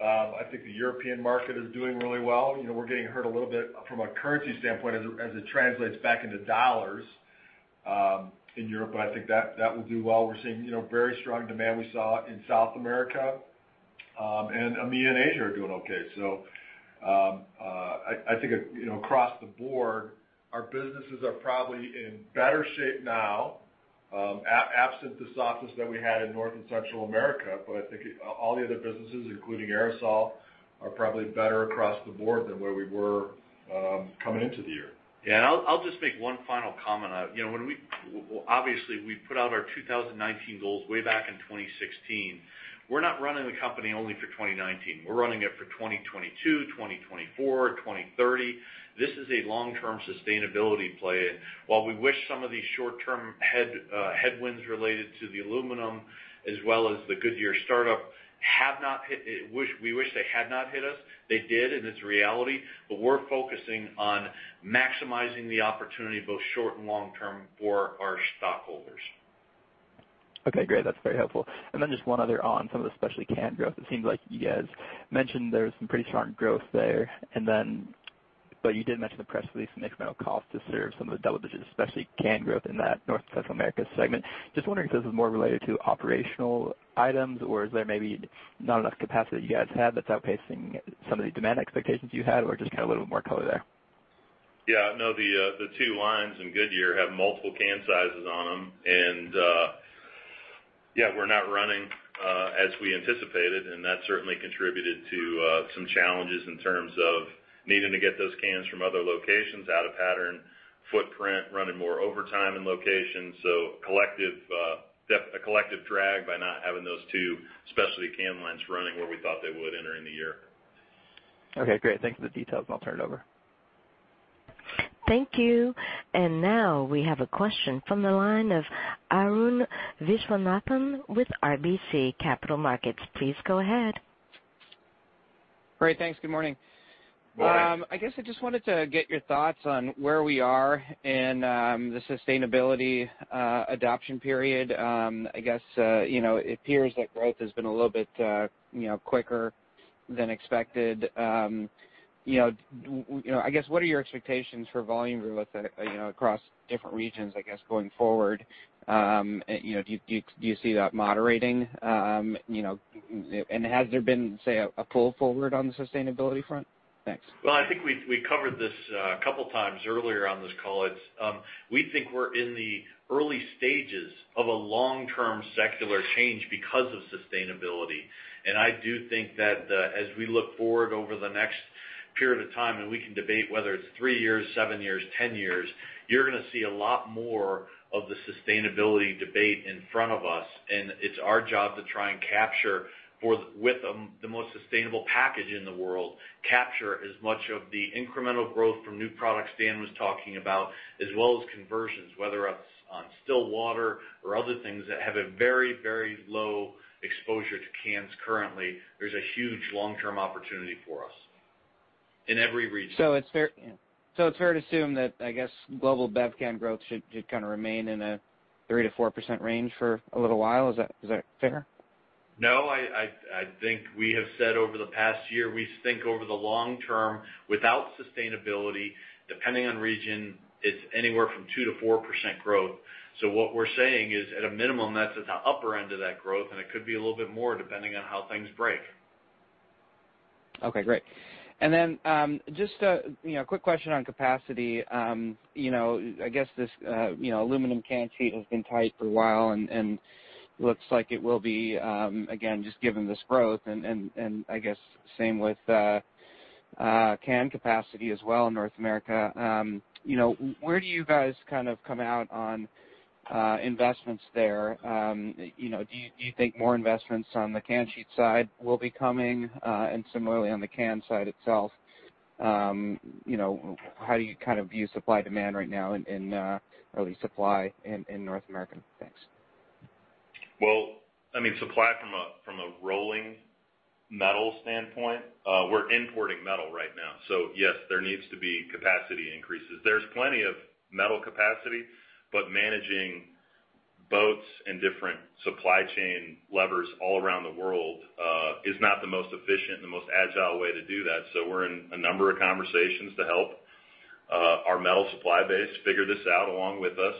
I think the European market is doing really well. We're getting hurt a little bit from a currency standpoint as it translates back into dollars in Europe, but I think that will do well. We're seeing very strong demand we saw in South America. EMEA and Asia are doing okay. I think across the board, our businesses are probably in better shape now, absent the softness that we had in North and Central America. I think all the other businesses, including aerosol, are probably better across the board than where we were coming into the year. Yeah. I'll just make one final comment. Obviously we put out our 2019 goals way back in 2016. We're not running the company only for 2019. We're running it for 2022, 2024, 2030. This is a long-term sustainability play. While we wish some of these short-term headwinds related to the aluminum as well as the Goodyear startup, we wish they had not hit us, they did, and it's reality, but we're focusing on maximizing the opportunity, both short and long term for our stockholders. Okay, great. That's very helpful. Just one other on some of the specialty can growth. It seems like you guys mentioned there was some pretty strong growth there. You did mention the press release and incremental cost to serve some of the double digits, especially can growth in that North Central America segment. Just wondering if this is more related to operational items or is there maybe not enough capacity you guys have that's outpacing some of the demand expectations you had, or just kind of a little bit more color there? Yeah, no, the two lines in Goodyear have multiple can sizes on them. Yeah, we're not running as we anticipated, and that certainly contributed to some challenges in terms of needing to get those cans from other locations out of pattern, footprint, running more overtime in locations. A collective drag by not having those two specialty can lines running where we thought they would enter in the year. Okay, great. Thank you for the details. I'll turn it over. Thank you. Now we have a question from the line of Arun Viswanathan with RBC Capital Markets. Please go ahead. Great. Thanks. Good morning. Morning. I guess I just wanted to get your thoughts on where we are in the sustainability adoption period. I guess it appears like growth has been a little bit quicker Than expected. I guess what are your expectations for volume growth across different regions, I guess, going forward? Do you see that moderating? Has there been, say, a pull forward on the sustainability front? Thanks. Well, I think we covered this a couple of times earlier on this call. We think we're in the early stages of a long-term secular change because of sustainability. I do think that as we look forward over the next period of time, and we can debate whether it's three years, seven years, 10 years, you're going to see a lot more of the sustainability debate in front of us, and it's our job to try and capture, with the most sustainable package in the world, capture as much of the incremental growth from new products Dan was talking about, as well as conversions, whether that's on still water or other things that have a very low exposure to cans currently. There's a huge long-term opportunity for us in every region. It's fair to assume that, I guess, global bev can growth should kind of remain in a 3%-4% range for a little while. Is that fair? No, I think we have said over the past year, we think over the long term, without sustainability, depending on region, it's anywhere from 2%-4% growth. What we're saying is, at a minimum, that's at the upper end of that growth, and it could be a little bit more depending on how things break. Okay, great. Then, just a quick question on capacity. I guess this aluminum can sheet has been tight for a while, and looks like it will be, again, just given this growth, and I guess same with can capacity as well in North America. Where do you guys come out on investments there? Do you think more investments on the can sheet side will be coming? Similarly, on the can side itself, how do you view supply-demand right now in early supply in North America? Thanks. Supply from a rolling metal standpoint, we're importing metal right now. Yes, there needs to be capacity increases. There's plenty of metal capacity, but managing boats and different supply chain levers all around the world is not the most efficient and the most agile way to do that. We're in a number of conversations to help our metal supply base figure this out along with us.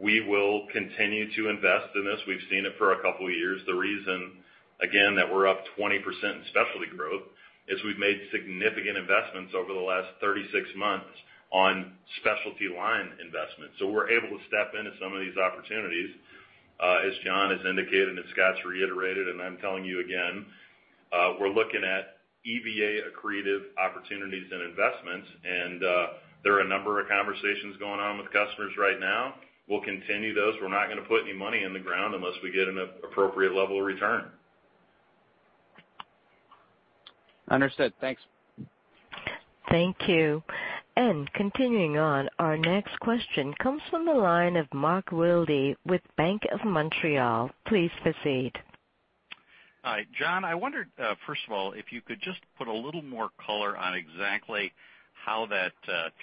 We will continue to invest in this. We've seen it for a couple of years. The reason, again, that we're up 20% in specialty growth is we've made significant investments over the last 36 months on specialty line investments. We're able to step into some of these opportunities. As John has indicated and Scott's reiterated, and I'm telling you again, we're looking at EVA accretive opportunities and investments, and there are a number of conversations going on with customers right now. We'll continue those. We're not going to put any money in the ground unless we get an appropriate level of return. Understood. Thanks. Thank you. Continuing on, our next question comes from the line of Mark Wilde with Bank of Montreal. Please proceed. Hi. John, I wondered, first of all, if you could just put a little more color on exactly how that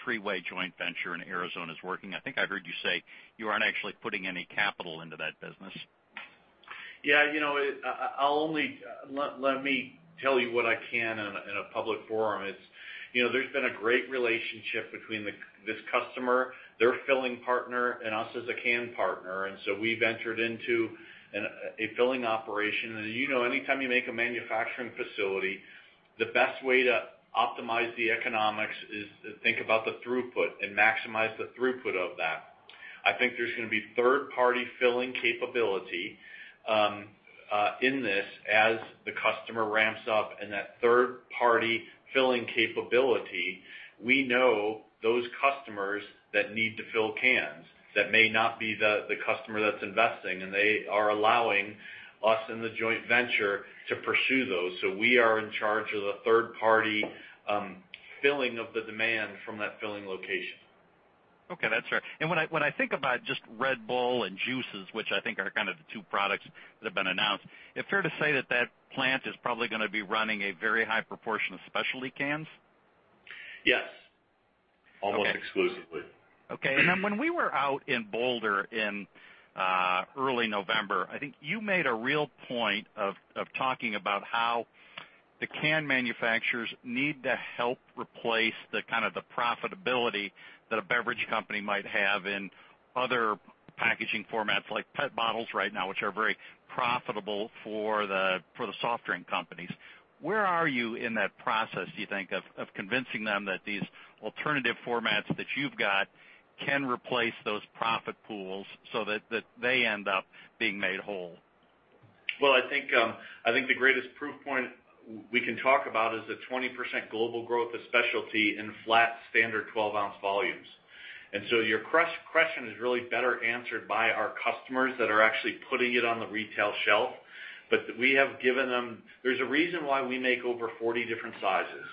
three-way joint venture in Arizona is working. I think I heard you say you aren't actually putting any capital into that business. Yeah. Let me tell you what I can in a public forum. There's been a great relationship between this customer, their filling partner, and us as a can partner. We ventured into a filling operation. You know anytime you make a manufacturing facility, the best way to optimize the economics is to think about the throughput and maximize the throughput of that. I think there's going to be third-party filling capability in this as the customer ramps up. That third-party filling capability, we know those customers that need to fill cans, that may not be the customer that's investing, and they are allowing us and the joint venture to pursue those. We are in charge of the third-party filling of the demand from that filling location. Okay. That's fair. When I think about just Red Bull and juices, which I think are kind of the two products that have been announced, is it fair to say that that plant is probably going to be running a very high proportion of specialty cans? Yes. Almost exclusively. Okay. Then when we were out in Boulder in early November, I think you made a real point of talking about how the can manufacturers need to help replace the profitability that a beverage company might have in other packaging formats, like PET bottles right now, which are very profitable for the soft drink companies. Where are you in that process, do you think, of convincing them that these alternative formats that you've got can replace those profit pools so that they end up being made whole? Well, I think the greatest proof point we can talk about is the 20% global growth of specialty in flat standard 12-ounce volumes. Your question is really better answered by our customers that are actually putting it on the retail shelf. There's a reason why we make over 40 different sizes,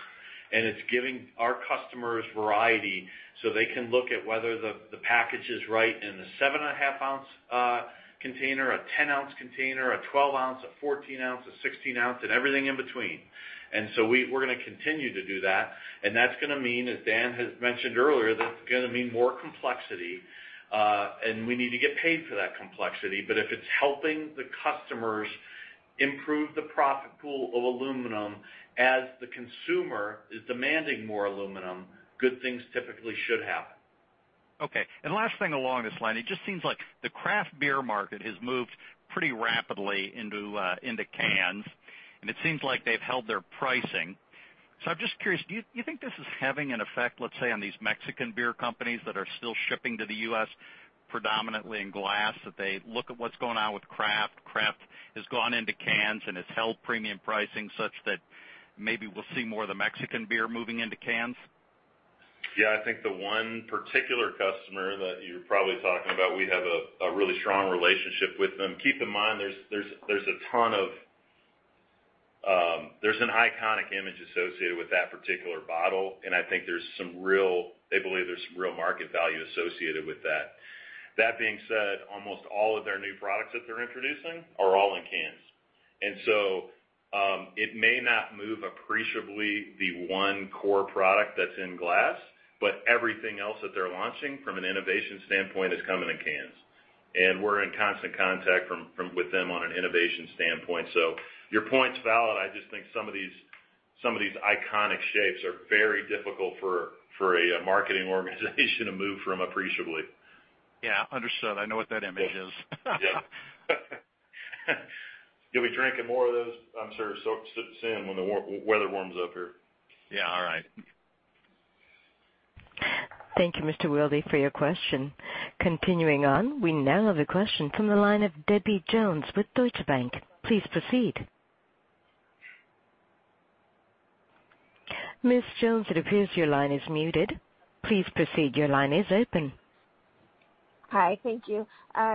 and it's giving our customers variety so they can look at whether the package is right in the seven and a half-ounce container, a 10-ounce container, a 12-ounce, a 14-ounce, a 16-ounce, and everything in between. So we're going to continue to do that, and that's going to mean, as Dan has mentioned earlier, that's going to mean more complexity, and we need to get paid for that complexity. If it's helping the customers improve the profit pool of aluminum as the consumer is demanding more aluminum, good things typically should happen. Okay. Last thing along this line, it just seems like the craft beer market has moved pretty rapidly into cans, and it seems like they've held their pricing. I'm just curious, do you think this is having an effect, let's say, on these Mexican beer companies that are still shipping to the U.S. predominantly in glass, that they look at what's going on with craft? Craft has gone into cans and has held premium pricing such that maybe we'll see more of the Mexican beer moving into cans. I think the one particular customer that you're probably talking about, we have a really strong relationship with them. Keep in mind, there's an iconic image associated with that particular bottle, and I think they believe there's some real market value associated with that. That being said, almost all of their new products that they're introducing are all in cans. It may not move appreciably the one core product that's in glass, but everything else that they're launching from an innovation standpoint is coming in cans. We're in constant contact with them on an innovation standpoint. Your point's valid. I just think some of these iconic shapes are very difficult for a marketing organization to move from appreciably. Understood. I know what that image is. You'll be drinking more of those, I'm sure, soon when the weather warms up here. All right. Thank you, Mr. Wilde, for your question. Continuing on, we now have a question from the line of Debbie Jones with Deutsche Bank. Please proceed. Ms. Jones, it appears your line is muted. Please proceed, your line is open. Hi. Thank you.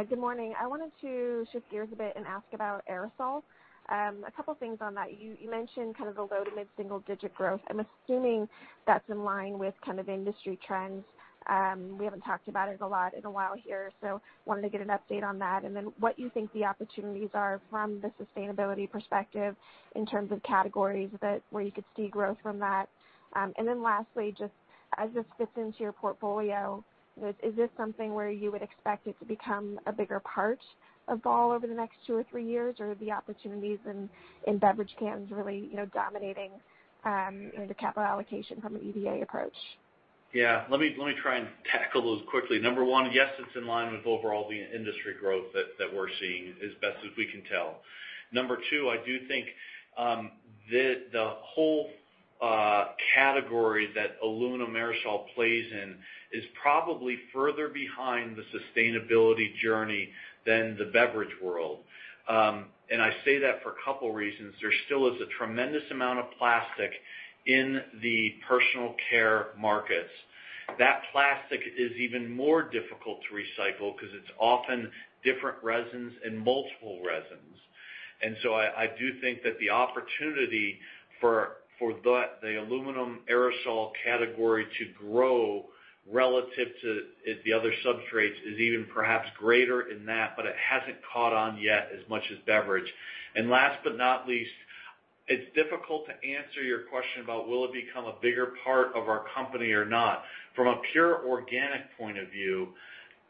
Good morning. I wanted to shift gears a bit and ask about aerosol. A couple things on that. You mentioned kind of the low to mid-single digit growth. I am assuming that's in line with industry trends. We haven't talked about it a lot in a while here, so wanted to get an update on that. Then what you think the opportunities are from the sustainability perspective in terms of categories where you could see growth from that. Then lastly, just as this fits into your portfolio, is this something where you would expect it to become a bigger part of Ball over the next two or three years? Are the opportunities in beverage cans really dominating the capital allocation from an EVA approach? Yeah. Let me try and tackle those quickly. Number 1, yes, it's in line with overall the industry growth that we're seeing as best as we can tell. Number 2, I do think the whole category that aluminum aerosol plays in is probably further behind the sustainability journey than the beverage world. I say that for a couple reasons. There still is a tremendous amount of plastic in the personal care markets. That plastic is even more difficult to recycle because it's often different resins and multiple resins. So I do think that the opportunity for the aluminum aerosol category to grow relative to the other substrates is even perhaps greater in that, but it hasn't caught on yet as much as beverage. Last but not least, it's difficult to answer your question about will it become a bigger part of our company or not. From a pure organic point of view,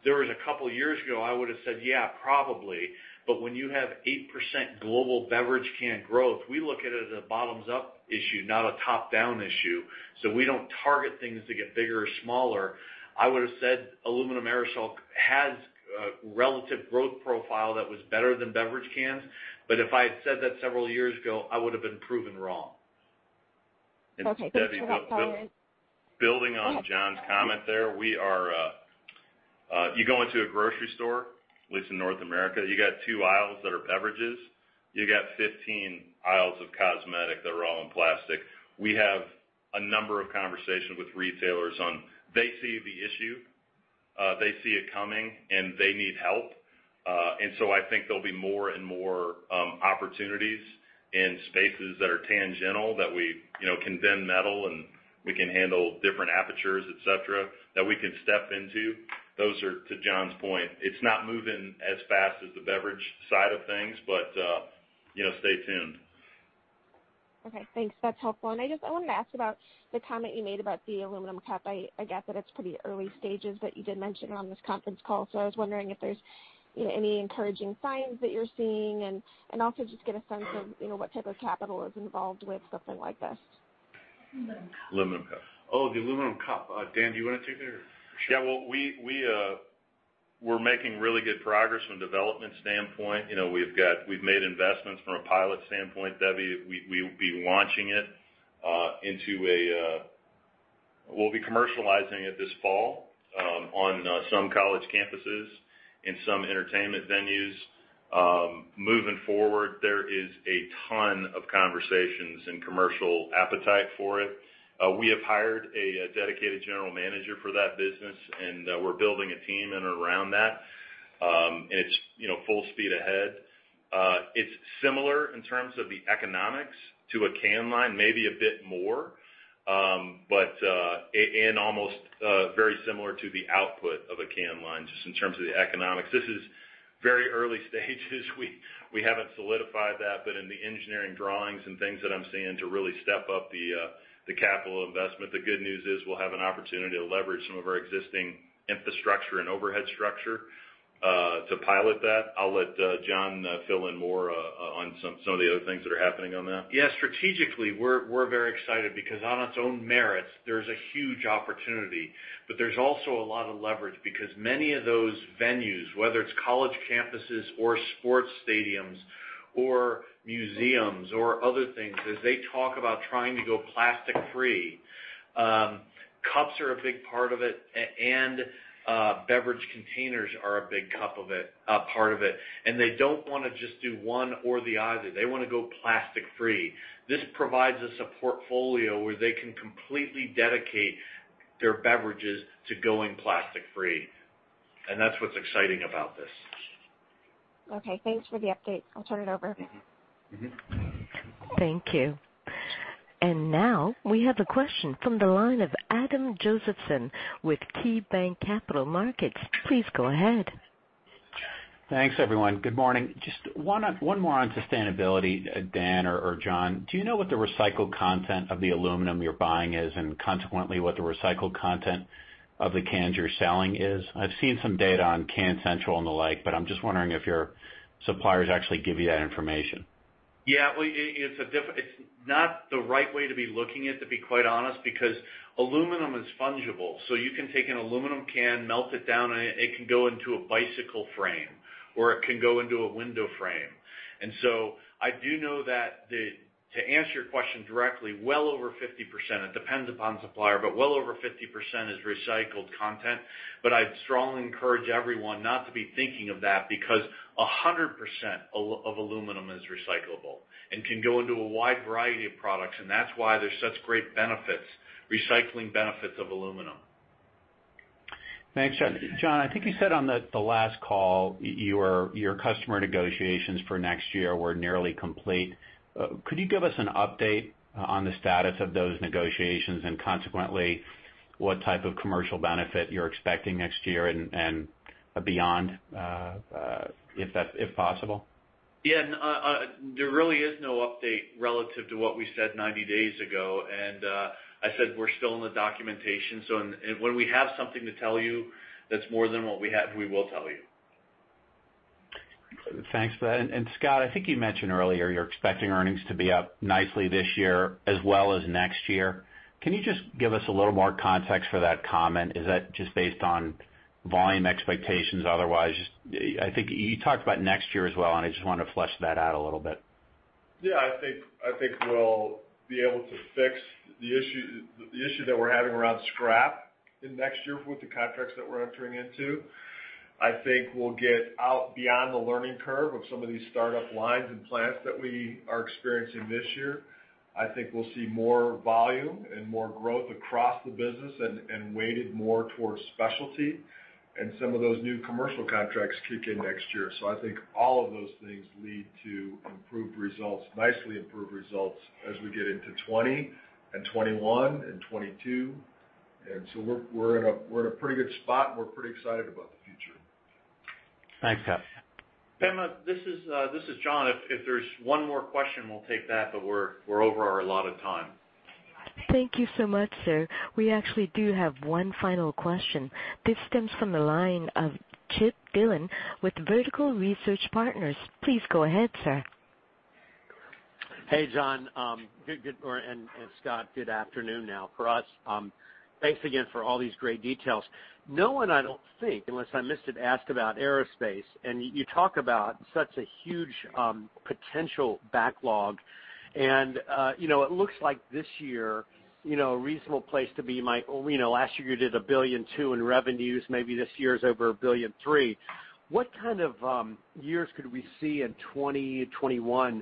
there was a couple years ago, I would've said, "Yeah, probably." When you have 8% global beverage can growth, we look at it as a bottoms up issue, not a top-down issue. We don't target things to get bigger or smaller. I would've said aluminum aerosol has a relative growth profile that was better than beverage cans. If I had said that several years ago, I would've been proven wrong. Okay. Thanks for that clarity. Building on John's comment there. You go into a grocery store, at least in North America, you got two aisles that are beverages. You got 15 aisles of cosmetic that are all in plastic. We have a number of conversations with retailers on. They see the issue, they see it coming, and they need help. So I think there'll be more and more opportunities in spaces that are tangential that we can bend metal and we can handle different apertures, et cetera, that we can step into. Those are to John's point. It's not moving as fast as the beverage side of things, but stay tuned. Okay, thanks. That's helpful. I wanted to ask about the comment you made about the Aluminum Cup. I get that it's pretty early stages, but you did mention it on this conference call. So I was wondering if there's any encouraging signs that you're seeing and also just get a sense of what type of capital is involved with something like this. Aluminum Cup. Oh, the Aluminum Cup. Dan, do you want to take it or sure? Yeah. Well, we're making really good progress from a development standpoint. We've made investments from a pilot standpoint, Debbie. We'll be commercializing it this fall on some college campuses and some entertainment venues. Moving forward, there is a ton of conversations and commercial appetite for it. We have hired a dedicated general manager for that business, and we're building a team in and around that. It's full speed ahead. It's similar in terms of the economics to a can line, maybe a bit more. Very similar to the output of a can line, just in terms of the economics. This is very early stages. We haven't solidified that, but in the engineering drawings and things that I'm seeing to really step up the capital investment, the good news is we'll have an opportunity to leverage some of our existing infrastructure and overhead structure to pilot that. I'll let John fill in more on some of the other things that are happening on that. Yeah. Strategically, we're very excited because on its own merits, there's a huge opportunity, but there's also a lot of leverage because many of those venues, whether it's college campuses or sports stadiums or museums or other things, as they talk about trying to go plastic free, cups are a big part of it, and beverage containers are a big part of it, and they don't want to just do one or the other. They want to go plastic free. This provides us a portfolio where they can completely dedicate their beverages to going plastic free, and that's what's exciting about this. Okay, thanks for the update. I'll turn it over. Thank you. Now we have a question from the line of Adam Josephson with KeyBanc Capital Markets. Please go ahead. Thanks, everyone. Good morning. Just one more on sustainability, Dan or John, do you know what the recycled content of the aluminum you're buying is, and consequently, what the recycled content of the cans you're selling is? I've seen some data on Can Central and the like. I'm just wondering if your suppliers actually give you that information. Yeah. It's not the right way to be looking at it, to be quite honest, because aluminum is fungible. You can take an aluminum can, melt it down, it can go into a bicycle frame, or it can go into a window frame. I do know that to answer your question directly, well over 50%, it depends upon the supplier, well over 50% is recycled content. I'd strongly encourage everyone not to be thinking of that because 100% of aluminum is recyclable and can go into a wide variety of products, and that's why there's such great benefits, recycling benefits of aluminum. Thanks, John. John, I think you said on the last call, your customer negotiations for next year were nearly complete. Could you give us an update on the status of those negotiations and consequently, what type of commercial benefit you're expecting next year and beyond, if possible? Yeah. There really is no update relative to what we said 90 days ago. I said we're still in the documentation, when we have something to tell you that's more than what we have, we will tell you. Thanks for that. Scott, I think you mentioned earlier you're expecting earnings to be up nicely this year as well as next year. Can you just give us a little more context for that comment? Is that just based on volume expectations? Otherwise, I think you talked about next year as well, and I just wanted to flesh that out a little bit. Yeah, I think we'll be able to fix the issue that we're having around scrap in next year with the contracts that we're entering into. I think we'll get out beyond the learning curve of some of these startup lines and plants that we are experiencing this year. I think we'll see more volume and more growth across the business and weighted more towards specialty, and some of those new commercial contracts kick in next year. I think all of those things lead to improved results, nicely improved results as we get into 2020 and 2021 and 2022. We're in a pretty good spot, and we're pretty excited about the future. Thanks, Scott. Pema, this is John. If there's one more question, we'll take that, we're over our allotted time. Thank you so much, sir. We actually do have one final question. This comes from the line of Chip Dillon with Vertical Research Partners. Please go ahead, sir. Hey, John. Good morning. Scott, good afternoon now for us. Thanks again for all these great details. No one, I don't think, unless I missed it, asked about aerospace, you talk about such a huge potential backlog. It looks like this year, a reasonable place to be. Last year you did $1.2 billion in revenues. Maybe this year is over $1.3 billion. What kind of years could we see in 2020, 2021,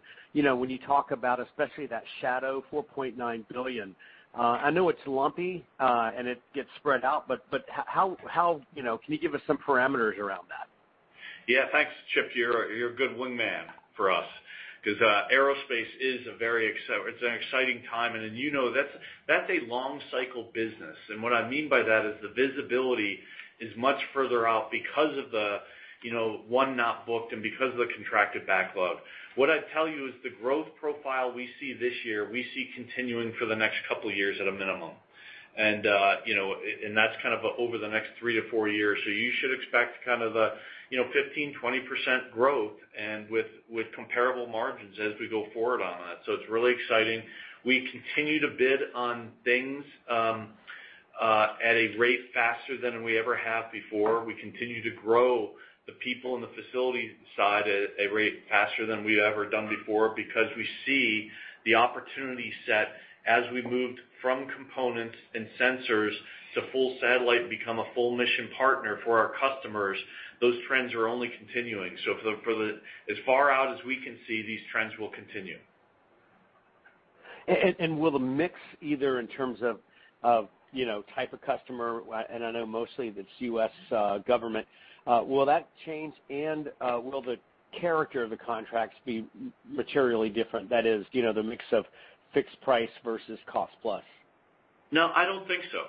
when you talk about especially that shadow $4.9 billion? I know it's lumpy, it gets spread out, can you give us some parameters around that? Yeah. Thanks, Chip. You're a good wing man for us because aerospace is an exciting time, you know that's a long cycle business. What I mean by that is the visibility is much further out because of the one not booked because of the contracted backlog. What I'd tell you is the growth profile we see this year, we see continuing for the next couple of years at a minimum. That's kind of over the next three to four years. You should expect kind of a 15%-20% growth with comparable margins as we go forward on that. It's really exciting. We continue to bid on things at a rate faster than we ever have before. We continue to grow the people in the facility side at a rate faster than we've ever done before because we see the opportunity set as we moved from components and sensors to full satellite and become a full mission partner for our customers. Those trends are only continuing. For as far out as we can see, these trends will continue. Will the mix either in terms of type of customer, and I know mostly that's U.S. government, will that change, and will the character of the contracts be materially different? That is, the mix of fixed price versus cost plus. No, I don't think so.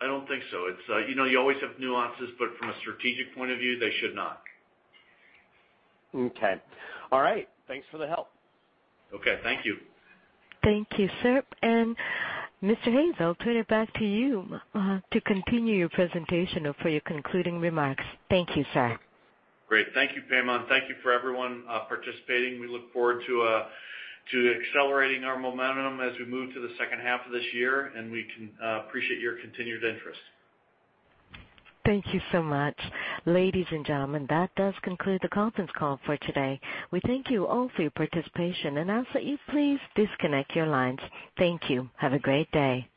I don't think so. You always have nuances, but from a strategic point of view, they should not. Okay. All right. Thanks for the help. Okay. Thank you. Thank you, sir. Mr. Hayes, I'll turn it back to you to continue your presentation for your concluding remarks. Thank you, sir. Great. Thank you, Pema. Thank you for everyone participating. We look forward to accelerating our momentum as we move to the second half of this year, and we appreciate your continued interest. Thank you so much. Ladies and gentlemen, that does conclude the conference call for today. We thank you all for your participation and ask that you please disconnect your lines. Thank you. Have a great day.